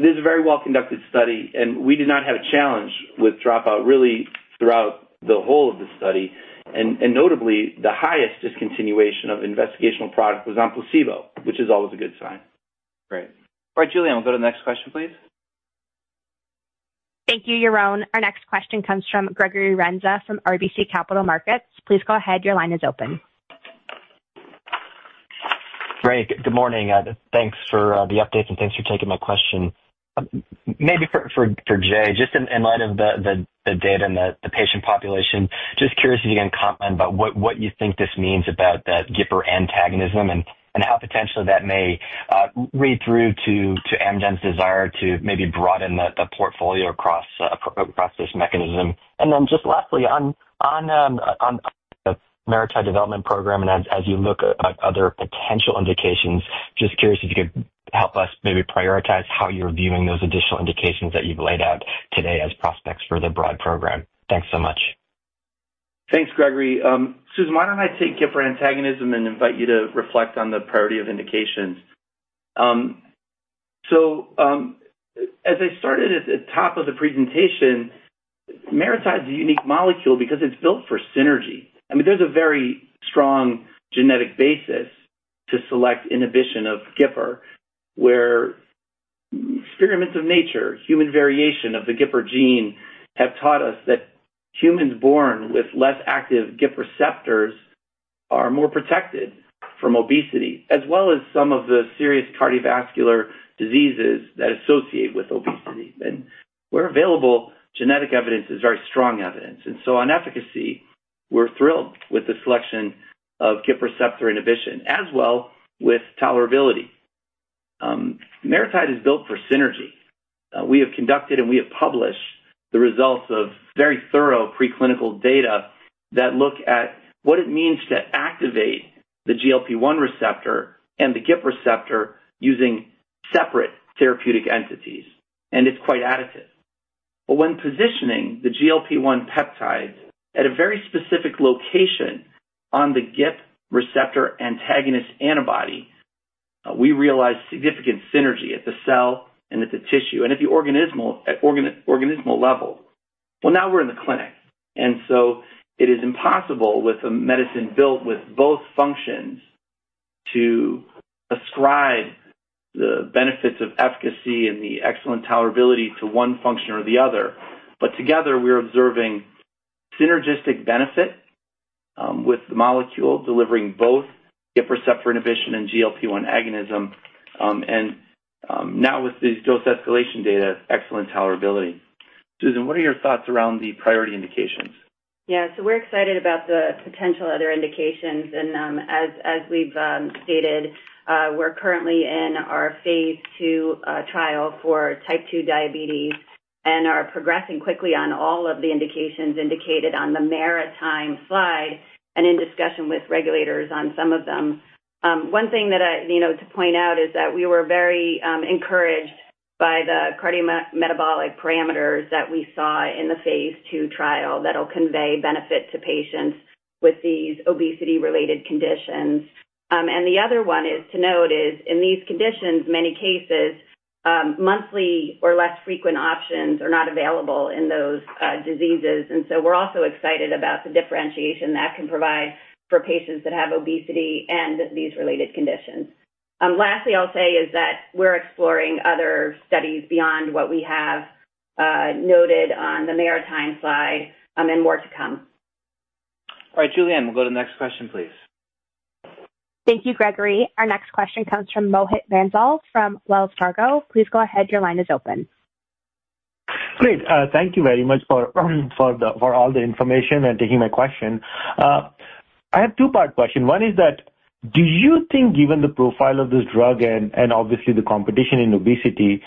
it is a very well-conducted study. And we did not have a challenge with dropout really throughout the whole of the study. And notably, the highest discontinuation of investigational product was on placebo, which is always a good sign. Great. All right, Julie Ann, we'll go to the next question, please. Thank you, Yaron. Our next question comes from Gregory Renza from RBC Capital Markets. Please go ahead. Your line is open. Great. Good morning. Thanks for the update. And thanks for taking my question. Maybe for Jay, just in light of the data and the patient population, just curious if you can comment about what you think this means about that GIPR antagonism and how potentially that may read through to Amgen's desire to maybe broaden the portfolio across this mechanism. And then just lastly, on the MariTide development program and as you look at other potential indications, just curious if you could help us maybe prioritize how you're viewing those additional indications that you've laid out today as prospects for the broad program. Thanks so much. Thanks, Gregory. Susan, why don't I take GIPR antagonism and invite you to reflect on the priority of indications? So as I started at the top of the presentation, MariTide is a unique molecule because it's built for synergy. I mean, there's a very strong genetic basis to select inhibition of GIPR, where experiments of nature, human variation of the GIPR gene, have taught us that humans born with less active GIPR receptors are more protected from obesity, as well as some of the serious cardiovascular diseases that associate with obesity. And where available genetic evidence is very strong evidence. And so on efficacy, we're thrilled with the selection of GIPR receptor inhibition, as well with tolerability. MariTide is built for synergy. We have conducted and we have published the results of very thorough preclinical data that look at what it means to activate the GLP-1 receptor and the GIP receptor using separate therapeutic entities. And it's quite additive. But when positioning the GLP-1 peptides at a very specific location on the GIP receptor antagonist antibody, we realize significant synergy at the cell and at the tissue and at the organismal level. Well, now we're in the clinic, and so it is impossible with a medicine built with both functions to ascribe the benefits of efficacy and the excellent tolerability to one function or the other. But together, we're observing synergistic benefit with the molecule delivering both GIPR receptor inhibition and GLP-1 agonism, and now with these dose escalation data, excellent tolerability. Susan, what are your thoughts around the priority indications? Yeah, so we're excited about the potential other indications. And as we've stated, we're currently in our Phase II Trial for Type 2 Diabetes, and are progressing quickly on all of the indications indicated on the MariTide slide and in discussion with regulators on some of them. One thing to point out is that we were very encouraged by the cardiometabolic parameters that we saw in the Phase II Trial that'll convey benefit to patients with these obesity-related conditions. And the other one to note is, in these conditions, many cases, monthly or less frequent options are not available in those diseases. And so we're also excited about the differentiation that can provide for patients that have obesity and these related conditions. Lastly, I'll say is that we're exploring other studies beyond what we have noted on the MariTide slide and more to come. All right, Julie Ann, we'll go to the next question, please. Thank you, Gregory. Our next question comes from Mohit Bansal from Wells Fargo. Please go ahead. Your line is open. Great. Thank you very much for all the information and taking my question. I have a two-part question. One is that, do you think, given the profile of this drug and obviously the competition in obesity,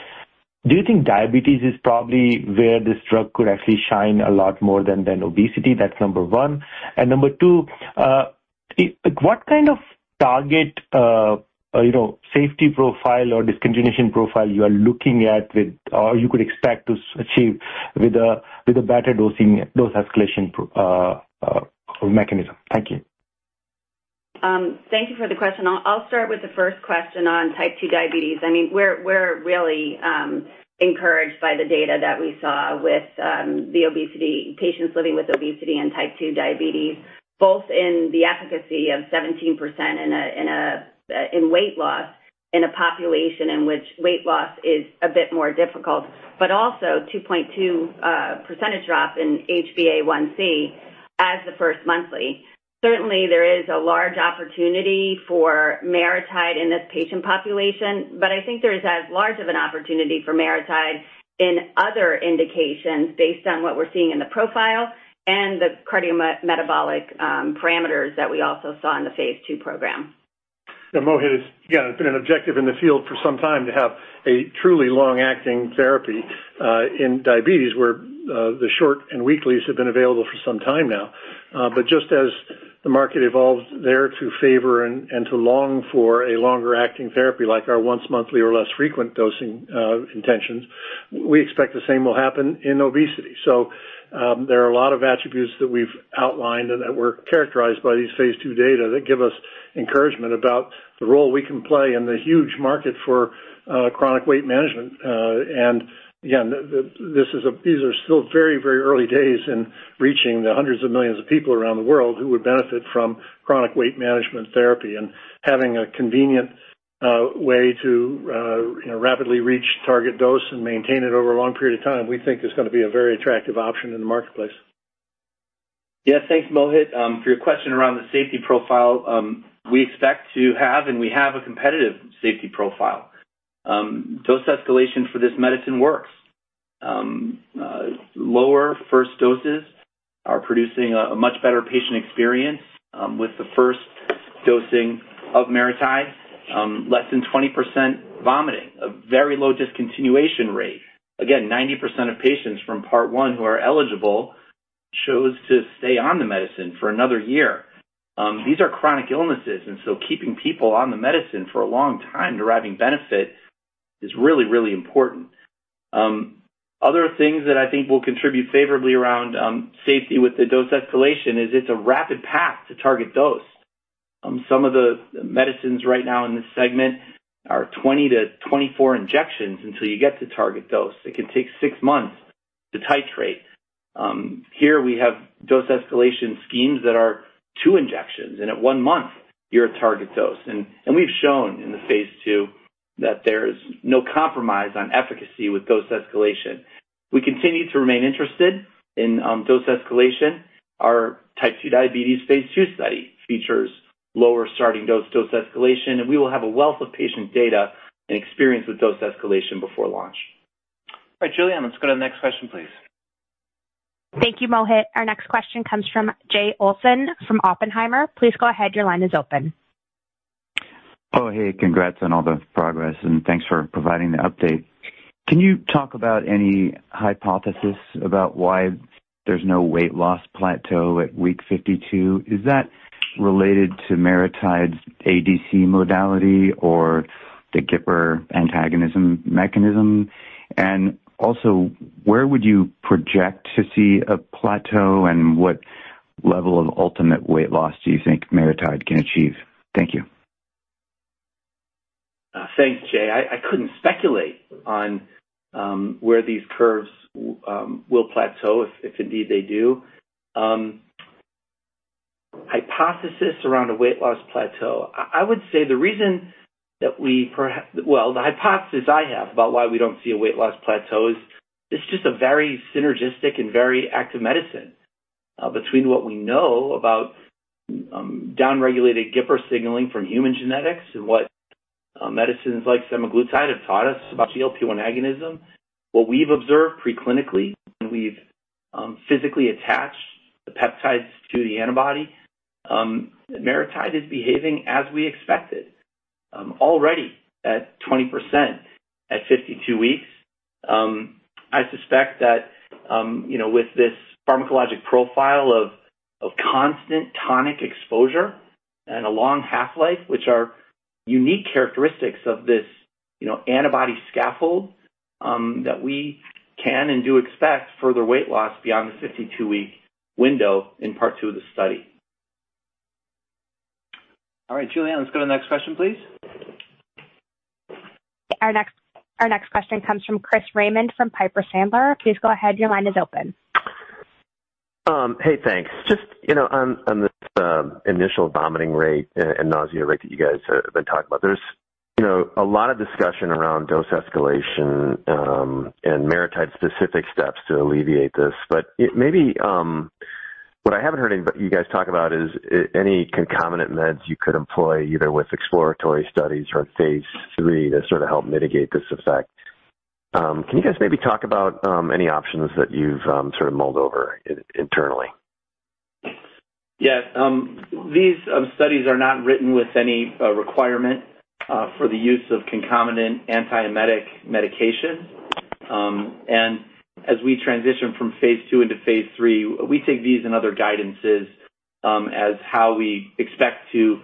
do you think diabetes is probably where this drug could actually shine a lot more than obesity? That's number one. And number two, what kind of target safety profile or discontinuation profile you are looking at or you could expect to achieve with a better dose escalation mechanism? Thank you. Thank you for the question. I'll start with the first question on Type 2 diabetes. I mean, we're really encouraged by the data that we saw with the obesity patients living with obesity and Type 2 diabetes, both in the efficacy of 17% in weight loss in a population in which weight loss is a bit more difficult, but also 2.2% drop in HbA1c as the first monthly. Certainly, there is a large opportunity for MariTide in this patient population. But I think there is as large of an opportunity for MariTide in other indications based on what we're seeing in the profile and the cardiometabolic parameters that we also saw in the phase II program. Yeah. Mohit, again, it's been an objective in the field for some time to have a truly long-acting therapy in diabetes where the short and weeklies have been available for some time now. But just as the market evolves there to favor and to long for a longer-acting therapy like our once-monthly or less frequent dosing intentions, we expect the same will happen in obesity. So there are a lot of attributes that we've outlined and that were characterized by these phase II data that give us encouragement about the role we can play in the huge market for chronic weight management. Again, these are still very, very early days in reaching the hundreds of millions of people around the world who would benefit from chronic weight management therapy. Having a convenient way to rapidly reach target dose and maintain it over a long period of time, we think, is going to be a very attractive option in the marketplace. Yeah. Thanks, Mohit. For your question around the safety profile, we expect to have and we have a competitive safety profile. Dose escalation for this medicine works. Lower first doses are producing a much better patient experience with the first dosing of MariTide, less than 20% vomiting, a very low discontinuation rate. Again, 90% of patients from part one who are eligible chose to stay on the medicine for another year. These are chronic illnesses. Keeping people on the medicine for a long time deriving benefit is really, really important. Other things that I think will contribute favorably around safety with the dose escalation is it's a rapid path to target dose. Some of the medicines right now in this segment are 20-24 injections until you get to target dose. It can take six months to titrate. Here, we have dose escalation schemes that are two injections. And at one month, you're at target dose. And we've shown in the phase II that there is no compromise on efficacy with dose escalation. We continue to remain interested in dose escalation. Our Type 2 diabetes phase II study features lower starting dose dose escalation. And we will have a wealth of patient data and experience with dose escalation before launch. All right, Julie Ann, let's go to the next question, please. Thank you, Mohit. Our next question comes from Jay Olson from Oppenheimer. Please go ahead. Your line is open. Oh, hey. Congrats on all the progress. And thanks for providing the update. Can you talk about any hypothesis about why there's no weight loss plateau at week 52? Is that related to MariTide's ADC modality or the GIPR antagonism mechanism? And also, where would you project to see a plateau? And what level of ultimate weight loss do you think MariTide can achieve? Thank you. Thanks, Jay. I couldn't speculate on where these curves will plateau if indeed they do. Hypothesis around a weight loss plateau, I would say the reason that we well, the hypothesis I have about why we don't see a weight loss plateau is it's just a very synergistic and very active medicine between what we know about downregulated GIPR signaling from human genetics and what medicines like semaglutide have taught us about GLP-1 agonism. What we've observed preclinically when we've physically attached the peptides to the antibody, MariTide is behaving as we expected already at 20% at 52 weeks. I suspect that with this pharmacologic profile of constant tonic exposure and a long half-life, which are unique characteristics of this antibody scaffold, that we can and do expect further weight loss beyond the 52-week window in part two of the study. All right, Julie Ann, let's go to the next question, please. Our next question comes from Chris Raymond from Piper Sandler. Please go ahead. Your line is open. Hey, thanks. Just on the initial vomiting rate and nausea rate that you guys have been talking about, there's a lot of discussion around dose escalation and MariTide-specific steps to alleviate this. But maybe what I haven't heard you guys talk about is any concomitant meds you could employ either with exploratory studies or phase III to sort of help mitigate this effect. Can you guys maybe talk about any options that you've sort of mulled over internally? Yeah. These studies are not written with any requirement for the use of concomitant antiemetic medication. And as we transition from phase II into phase III, we take these and other guidances as how we expect to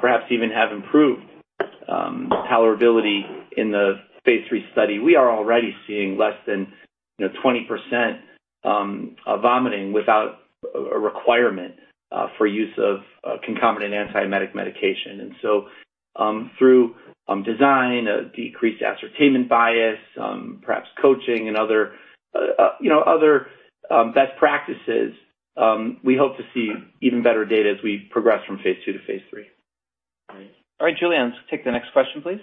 perhaps even have improved tolerability in the phase III study. We are already seeing less than 20% vomiting without a requirement for use of concomitant antiemetic medication. And so through design, decreased ascertainment bias, perhaps coaching, and other best practices, we hope to see even better data as we progress from phase II to phase III. All right, Julie Ann, let's take the next question, please.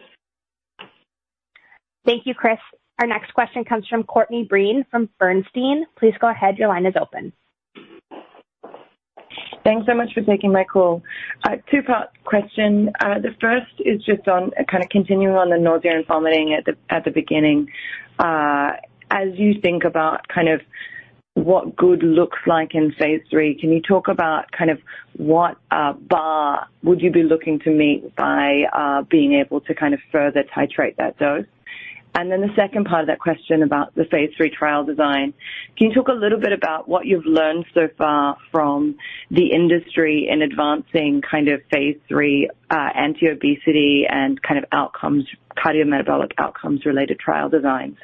Thank you, Chris. Our next question comes from Courtney Breen from Bernstein. Please go ahead. Your line is open. Thanks so much for taking my call. Two-part question. The first is just on kind of continuing on the nausea and vomiting at the beginning. As you think about kind of what good looks like in phase III, can you talk about kind of what bar would you be looking to meet by being able to kind of further titrate that dose? Then the second part of that question about the phase III trial design, can you talk a little bit about what you've learned so far from the industry in advancing kind of phase III anti-obesity and kind of cardiometabolic outcomes-related trial designs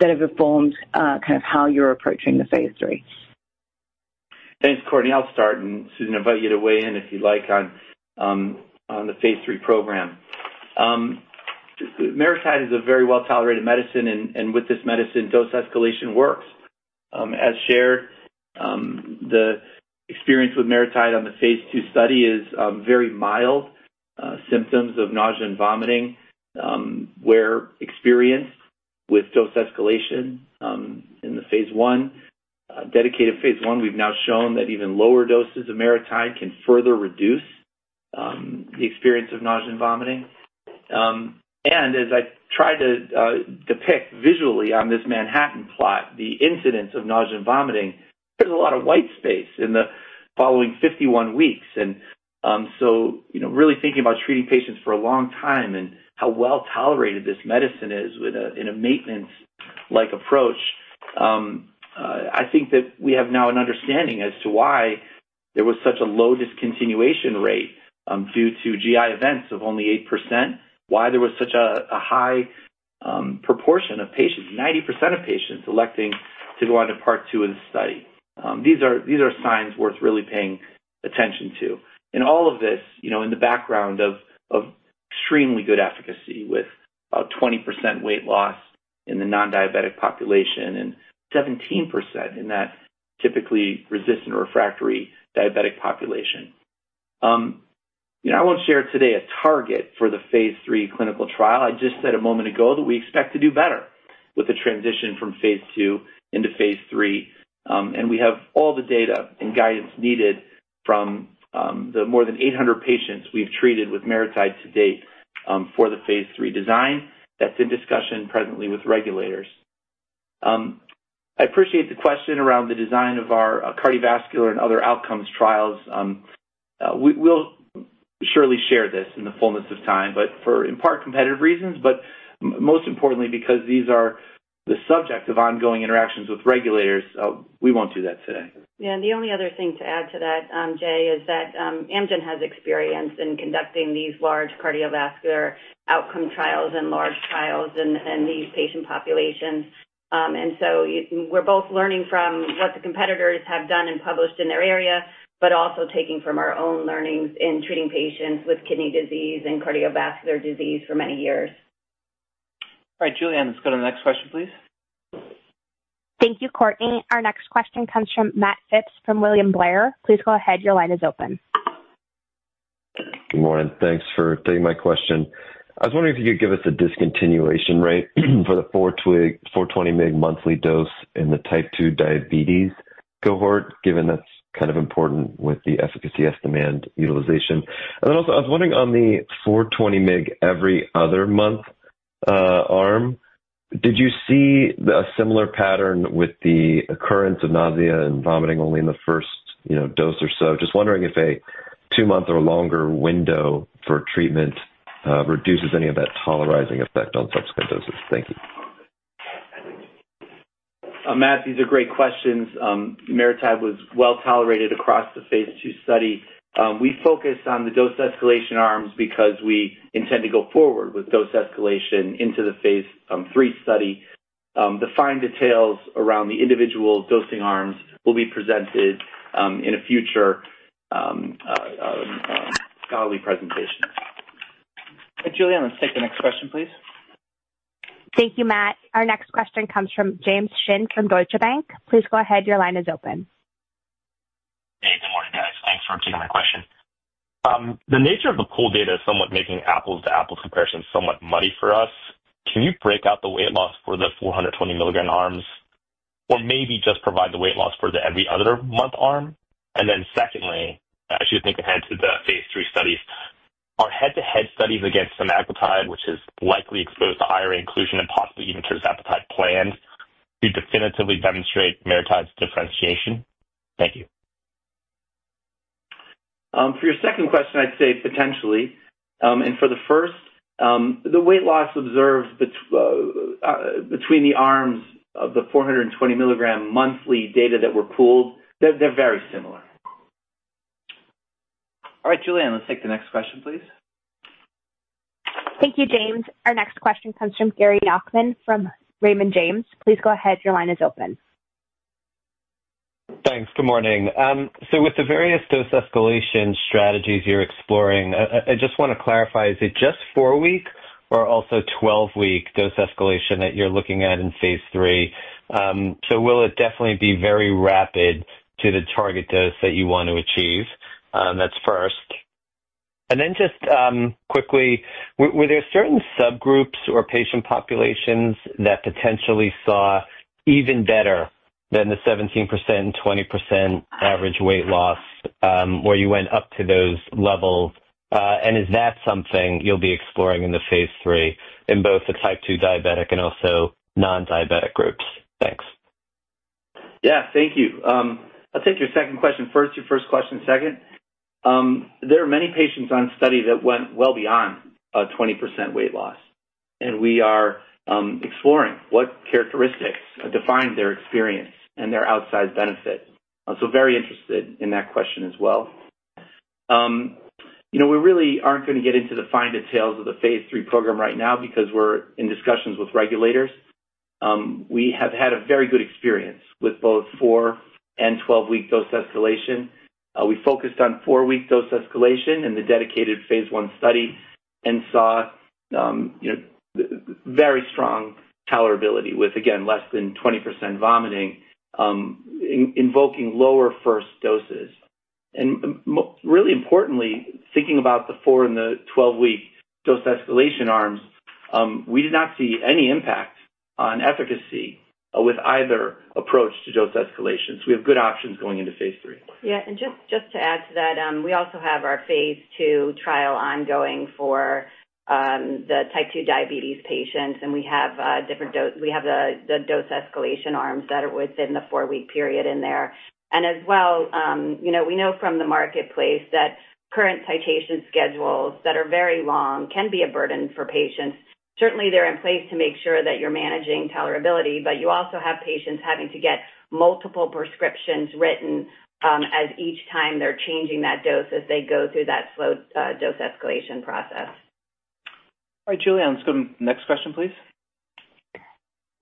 that have informed kind of how you're approaching the phase III? Thanks, Courtney. I'll start. And Susan, I'll invite you to weigh in if you'd like on the Phase III program. MariTide is a very well-tolerated medicine. And with this medicine, dose escalation works. As shared, the experience with MariTide on the phase II study is very mild symptoms of nausea and vomiting were experienced with dose escalation in the phase I. Dedicated phase I, we've now shown that even lower doses of MariTide can further reduce the experience of nausea and vomiting. And as I tried to depict visually on this Manhattan plot, the incidence of nausea and vomiting. There's a lot of white space in the following 51 weeks. And so really thinking about treating patients for a long time and how well-tolerated this medicine is in a maintenance-like approach, I think that we have now an understanding as to why there was such a low discontinuation rate due to GI events of only 8%, why there was such a high proportion of patients, 90% of patients electing to go on to part two of the study. These are signs worth really paying attention to. And all of this in the background of extremely good efficacy with about 20% weight loss in the non-diabetic population and 17% in that typically resistant or refractory diabetic population. I won't share today a target for the phase III clinical trial. I just said a moment ago that we expect to do better with the transition from phase II into phase III, and we have all the data and guidance needed from the more than 800 patients we've treated with MariTide to date for the phase III design that's in discussion presently with regulators. I appreciate the question around the design of our cardiovascular and other outcomes trials. We'll surely share this in the fullness of time, but, in part, for competitive reasons, but most importantly, because these are the subject of ongoing interactions with regulators, we won't do that today. Yeah. And the only other thing to add to that, Jay, is that Amgen has experience in conducting these large cardiovascular outcome trials and large trials in these patient populations. And so we're both learning from what the competitors have done and published in their area, but also taking from our own learnings in treating patients with kidney disease and cardiovascular disease for many years. All right, Julie Ann, let's go to the next question, please. Thank you, Courtney. Our next question comes from Matt Phipps from William Blair. Please go ahead. Your line is open. Good morning. Thanks for taking my question. I was wondering if you could give us a discontinuation rate for the 420 mg monthly dose in the Type 2 diabetes cohort, given that's kind of important with the efficacy estimand. And then also, I was wondering on the 420 mg every other month arm, did you see a similar pattern with the occurrence of nausea and vomiting only in the first dose or so? Just wondering if a two-month or longer window for treatment reduces any of that tolerizing effect on subsequent doses. Thank you. Matt, these are great questions. MariTide was well-tolerated across the phase II study. We focused on the dose escalation arms because we intend to go forward with dose escalation into the phase III study. The fine details around the individual dosing arms will be presented in a future scholarly presentation. All right, Julie Ann, let's take the next question, please. Thank you, Matt. Our next question comes from James Shin from Deutsche Bank. Please go ahead. Your line is open. Hey, good morning, guys. Thanks for taking my question. The nature of the pooled data is somewhat making apples-to-apples comparisons somewhat muddy for us. Can you break out the weight loss for the 420 mg arms or maybe just provide the weight loss for the every other month arm? And then secondly, I should think ahead to the phase III studies. Are head-to-head studies against semaglutide, which is likely exposed to IRA inclusion and possibly even tirzepatide planned, to definitively demonstrate MariTide's differentiation? Thank you. For your second question, I'd say potentially. And for the first, the weight loss observed between the arms of the 420 mg monthly data that were pooled, they're very similar. All right, Julie Ann, let's take the next question, please. Thank you, James. Our next question comes from Gary Nachman from Raymond James. Please go ahead. Your line is open. Thanks. Good morning. So with the various dose escalation strategies you're exploring, I just want to clarify, is it just 4-week or also 12-week dose escalation that you're looking at in phase III? So will it definitely be very rapid to the target dose that you want to achieve? That's first. And then just quickly, were there certain subgroups or patient populations that potentially saw even better than the 17% and 20% average weight loss where you went up to those levels? And is that something you'll be exploring in the phase III in both the Type 2 diabetic and also non-diabetic gro ups? Thanks. Yeah. Thank you. I'll take your second question first, your first question second. There are many patients on study that went well beyond 20% weight loss. And we are exploring what characteristics define their experience and their outsize benefit. So very interested in that question as well. We really aren't going to get into the fine details of the phase III program right now because we're in discussions with regulators. We have had a very good experience with both 4 and 12-week dose escalation. We focused on 4-week dose escalation in the dedicated phase I study and saw very strong tolerability with, again, less than 20% vomiting involving lower first doses. And really importantly, thinking about the 4- and 12-week dose escalation arms, we did not see any impact on efficacy with either approach to dose escalation. So we have good options going into phase III. Yeah. And just to add to that, we also have our phase II trial ongoing for the Type 2 diabetes patients. And we have different dose escalation arms that are within the 4-week period in there. And as well, we know from the marketplace that current titration schedules that are very long can be a burden for patients. Certainly, they're in place to make sure that you're managing tolerability. But you also have patients having to get multiple prescriptions written as each time they're changing that dose as they go through that slow dose escalation process. All right, Julie Ann, let's go to the next question, please.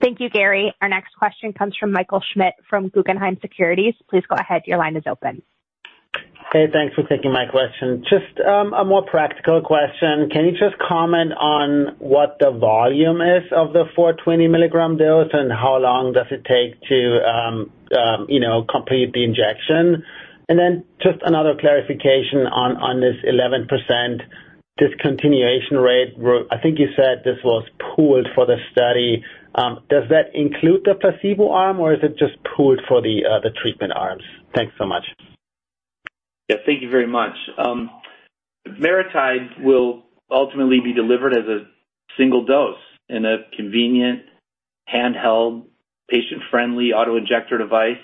Thank you, Gary. Our next question comes from Michael Schmidt from Guggenheim Securities. Please go ahead. Your line is open. Hey, thanks for taking my question. Just a more practical question. Can you just comment on what the volume is of the 420 mg dose and how long does it take to complete the injection? And then just another clarification on this 11% discontinuation rate. I think you said this was pooled for the study. Does that include the placebo arm, or is it just pooled for the treatment arms? Thanks so much. Yeah. Thank you very much. MariTide will ultimately be delivered as a single dose in a convenient, handheld, patient-friendly autoinjector device.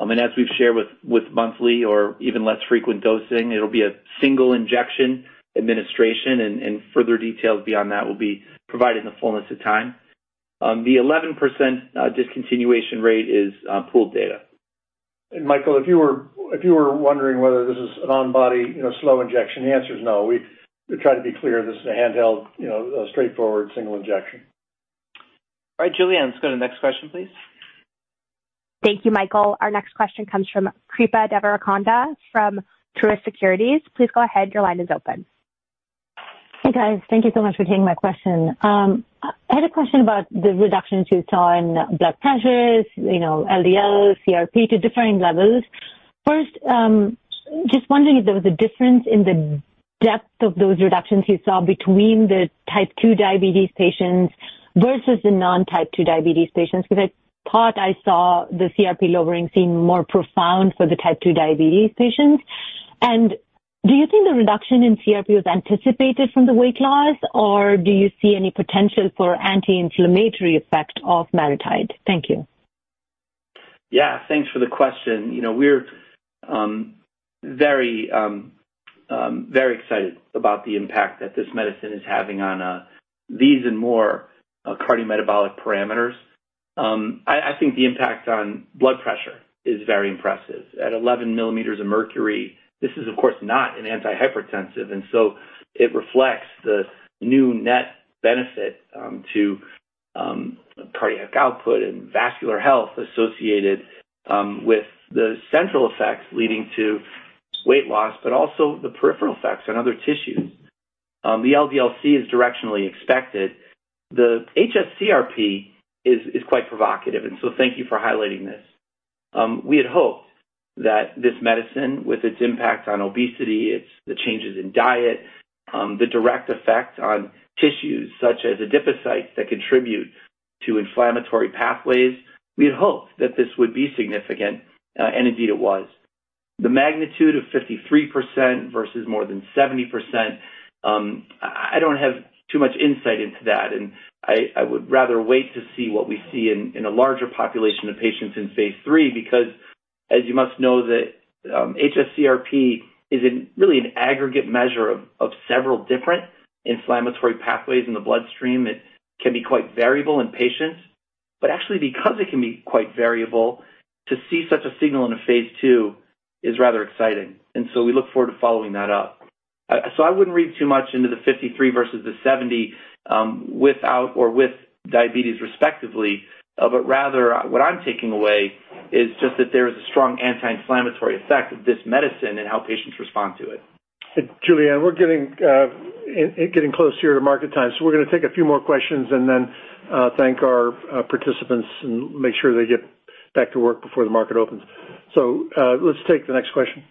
As we've shared with monthly or even less frequent dosing, it'll be a single injection administration. And further details beyond that will be provided in the fullness of time. The 11% discontinuation rate is pooled data. And Michael, if you were wondering whether this is an on-body slow injection, the answer is no. We try to be clear this is a handheld, straightforward, single injection. All right, Julie Ann, let's go to the next question, please. Thank you, Michael. Our next question comes from Kripa Devarakonda from Truist Securities. Please go ahead. Your line is open. Hey, guys. Thank you so much for taking my question. I had a question about the reductions you saw in blood pressures, LDL, CRP to differing levels. First, just wondering if there was a difference in the depth of those reductions you saw between the Type 2 diabetes patients versus the non-Type 2 diabetes patients because I thought I saw the CRP lowering seem more profound for the Type 2 diabetes patients? And do you think the reduction in CRP was anticipated from the weight loss, or do you see any potential for anti-inflammatory effect of MariTide? Thank you. Yeah. Thanks for the question. We're very, very excited about the impact that this medicine is having on these and more cardiometabolic parameters. I think the impact on blood pressure is very impressive. At 11 millimeters of mercury, this is, of course, not an antihypertensive. And so it reflects the new net benefit to cardiac output and vascular health associated with the central effects leading to weight loss, but also the peripheral effects on other tissues. The LDL-C is directionally expected. The HS-CRP is quite provocative, and so thank you for highlighting this. We had hoped that this medicine, with its impact on obesity, its changes in diet, the direct effect on tissues such as adipocytes that contribute to inflammatory pathways, we had hoped that this would be significant, and indeed, it was. The magnitude of 53% versus more than 70%, I don't have too much insight into that, and I would rather wait to see what we see in a larger population of patients in phase III because, as you must know, the HS-CRP is really an aggregate measure of several different inflammatory pathways in the bloodstream. It can be quite variable in patients, but actually, because it can be quite variable, to see such a signal in a phase II is rather exciting, and so we look forward to following that up. So I wouldn't read too much into the 53 versus the 70 without or with diabetes, respectively. But rather, what I'm taking away is just that there is a strong anti-inflammatory effect of this medicine and how patients respond to it. Julie Ann, we're getting close here to market time. So we're going to take a few more questions and then thank our participants and make sure they get back to work before the market opens. So let's take the next question.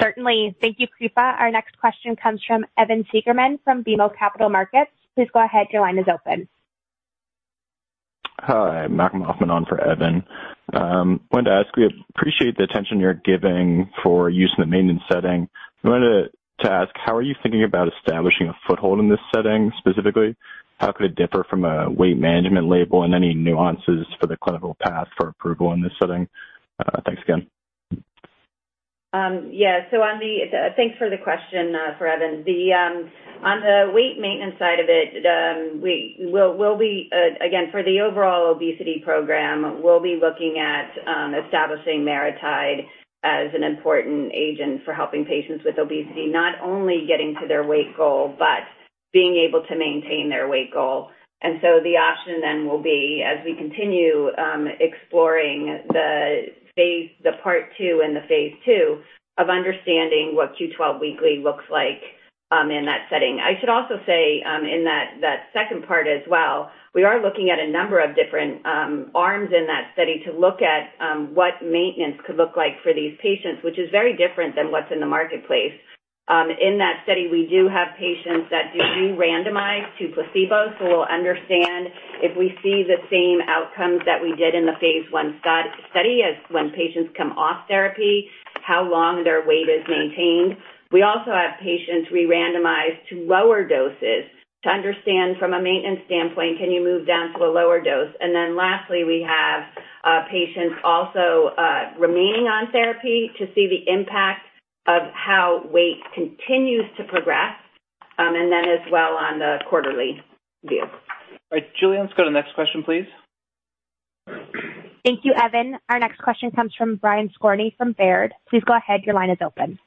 Certainly. Thank you, Kripa. Our next question comes from Evan Seigerman from BMO Capital Markets. Please go ahead. Your line is open. Hi. Malcolm Hoffman on for Evan. I wanted to ask, we appreciate the attention you're giving for use in the maintenance setting. I wanted to ask, how are you thinking about establishing a foothold in this setting specifically? How could it differ from a weight management label and any nuances for the clinical path for approval in this setting? Thanks again. Yeah. So thanks for the question, for Evan. On the weight maintenance side of it, we'll be again, for the overall obesity program, we'll be looking at establishing MariTide as an important agent for helping patients with obesity, not only getting to their weight goal, but being able to maintain their weight goal. And so the option then will be, as we continue exploring the part two and the phase II of understanding what Q12 weekly looks like in that setting. I should also say in that second part as well, we are looking at a number of different arms in that study to look at what maintenance could look like for these patients, which is very different than what's in the marketplace. In that study, we do have patients that do randomize to placebo. So we'll understand if we see the same outcomes that we did in the phase I study as when patients come off therapy, how long their weight is maintained. We also have patients we randomize to lower doses to understand from a maintenance standpoint, can you move down to a lower dose? And then lastly, we have patients also remaining on therapy to see the impact of how weight continues to progress. And then as well on the quarterly view. All right. Julie Ann, let's go to the next question, please. Thank you, Evan. Our next question comes from Brian Skorney from Baird. Please go ahead. Your line is open.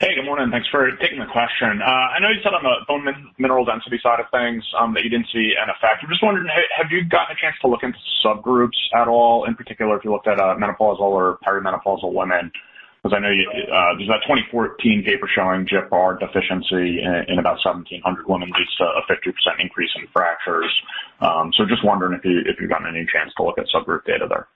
Hey, good morning. Thanks for taking the question. I know you said on the bone mineral density side of things that you didn't see an effect. I'm just wondering, have you gotten a chance to look into subgroups at all, in particular if you looked at menopausal or perimenopausal women? Because I know there's that 2014 paper showing GIPR deficiency in about 1,700 women leads to a 50% increase in fractures. So just wondering if you've gotten any chance to look at subgroup data there.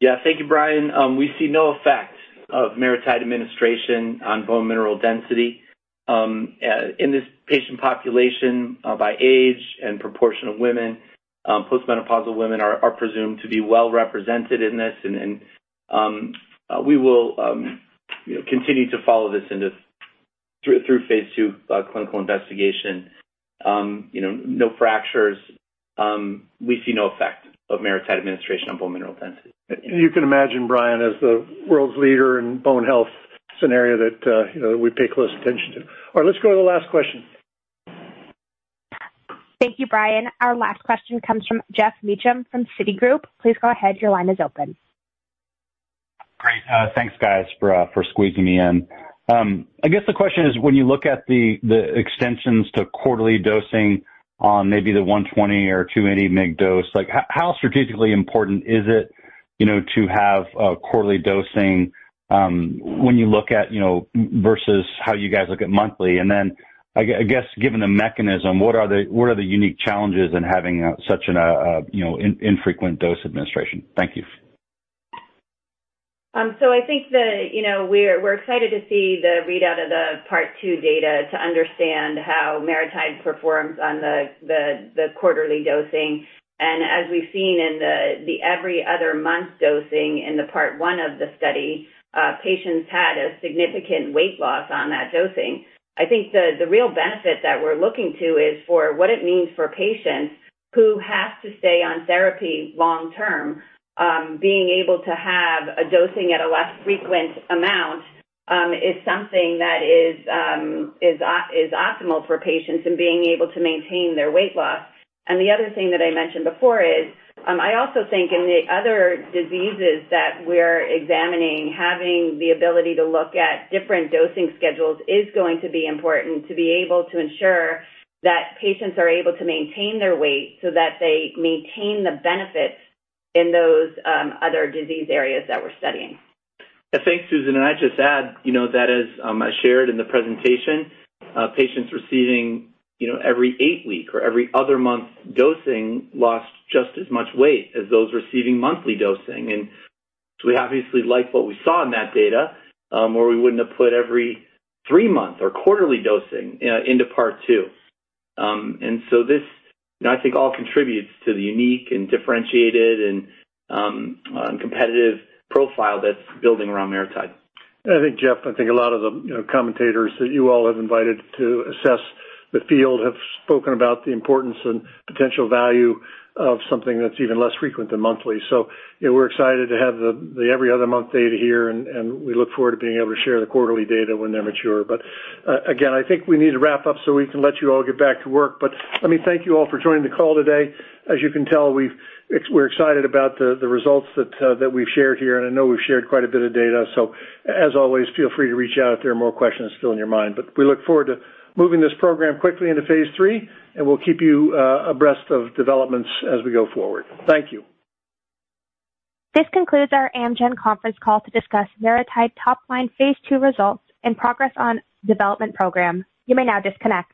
Yeah. Thank you, Brian. We see no effect of MariTide administration on bone mineral density in this patient population by age and proportion of women. Postmenopausal women are presumed to be well represented in this. And we will continue to follow this through Phase II Clinical Investigation. No fractures. We see no effect of MariTide administration on bone mineral density. You can imagine, Brian, as the world's leader in bone health space that we pay close attention to. All right. Let's go to the last question. Thank you, Brian. Our last question comes from Geoff Meacham from Citi. Please go ahead. Your line is open. Great. Thanks, guys, for squeezing me in. I guess the question is, when you look at the extensions to quarterly dosing on maybe the 120 or 280 mg dose, how strategically important is it to have quarterly dosing when you look at versus how you guys look at monthly? And then I guess, given the mechanism, what are the unique challenges in having such an infrequent dose administration? Thank you. So I think we're excited to see the readout of the part two data to understand how MariTide performs on the quarterly dosing. And as we've seen in the every other month dosing in the part one of the study, patients had a significant weight loss on that dosing. I think the real benefit that we're looking to is for what it means for patients who have to stay on therapy long term. Being able to have a dosing at a less frequent amount is something that is optimal for patients in being able to maintain their weight loss. And the other thing that I mentioned before is I also think in the other diseases that we're examining, having the ability to look at different dosing schedules is going to be important to be able to ensure that patients are able to maintain their weight so that they maintain the benefits in those other disease areas that we're studying. Thanks, Susan. And I'd just add that, as I shared in the presentation, patients receiving every eight-week or every other month dosing lost just as much weight as those receiving monthly dosing. And so we obviously like what we saw in that data where we wouldn't have put every three-month or quarterly dosing into part two. And so this, I think, all contributes to the unique and differentiated and competitive profile that's building around MariTide. And I think, Geoff, I think a lot of the commentators that you all have invited to assess the field have spoken about the importance and potential value of something that's even less frequent than monthly. So we're excited to have the every other month data here. And we look forward to being able to share the quarterly data when they're mature. But again, I think we need to wrap up so we can let you all get back to work. But let me thank you all for joining the call today. As you can tell, we're excited about the results that we've shared here. And I know we've shared quite a bit of data. So as always, feel free to reach out if there are more questions still in your mind. But we look forward to moving this program quickly into phase III. And we'll keep you abreast of developments as we go forward. Thank you. This concludes our Amgen conference call to discuss MariTide Topline Phase II Results and Progress on Development Program. You may now disconnect.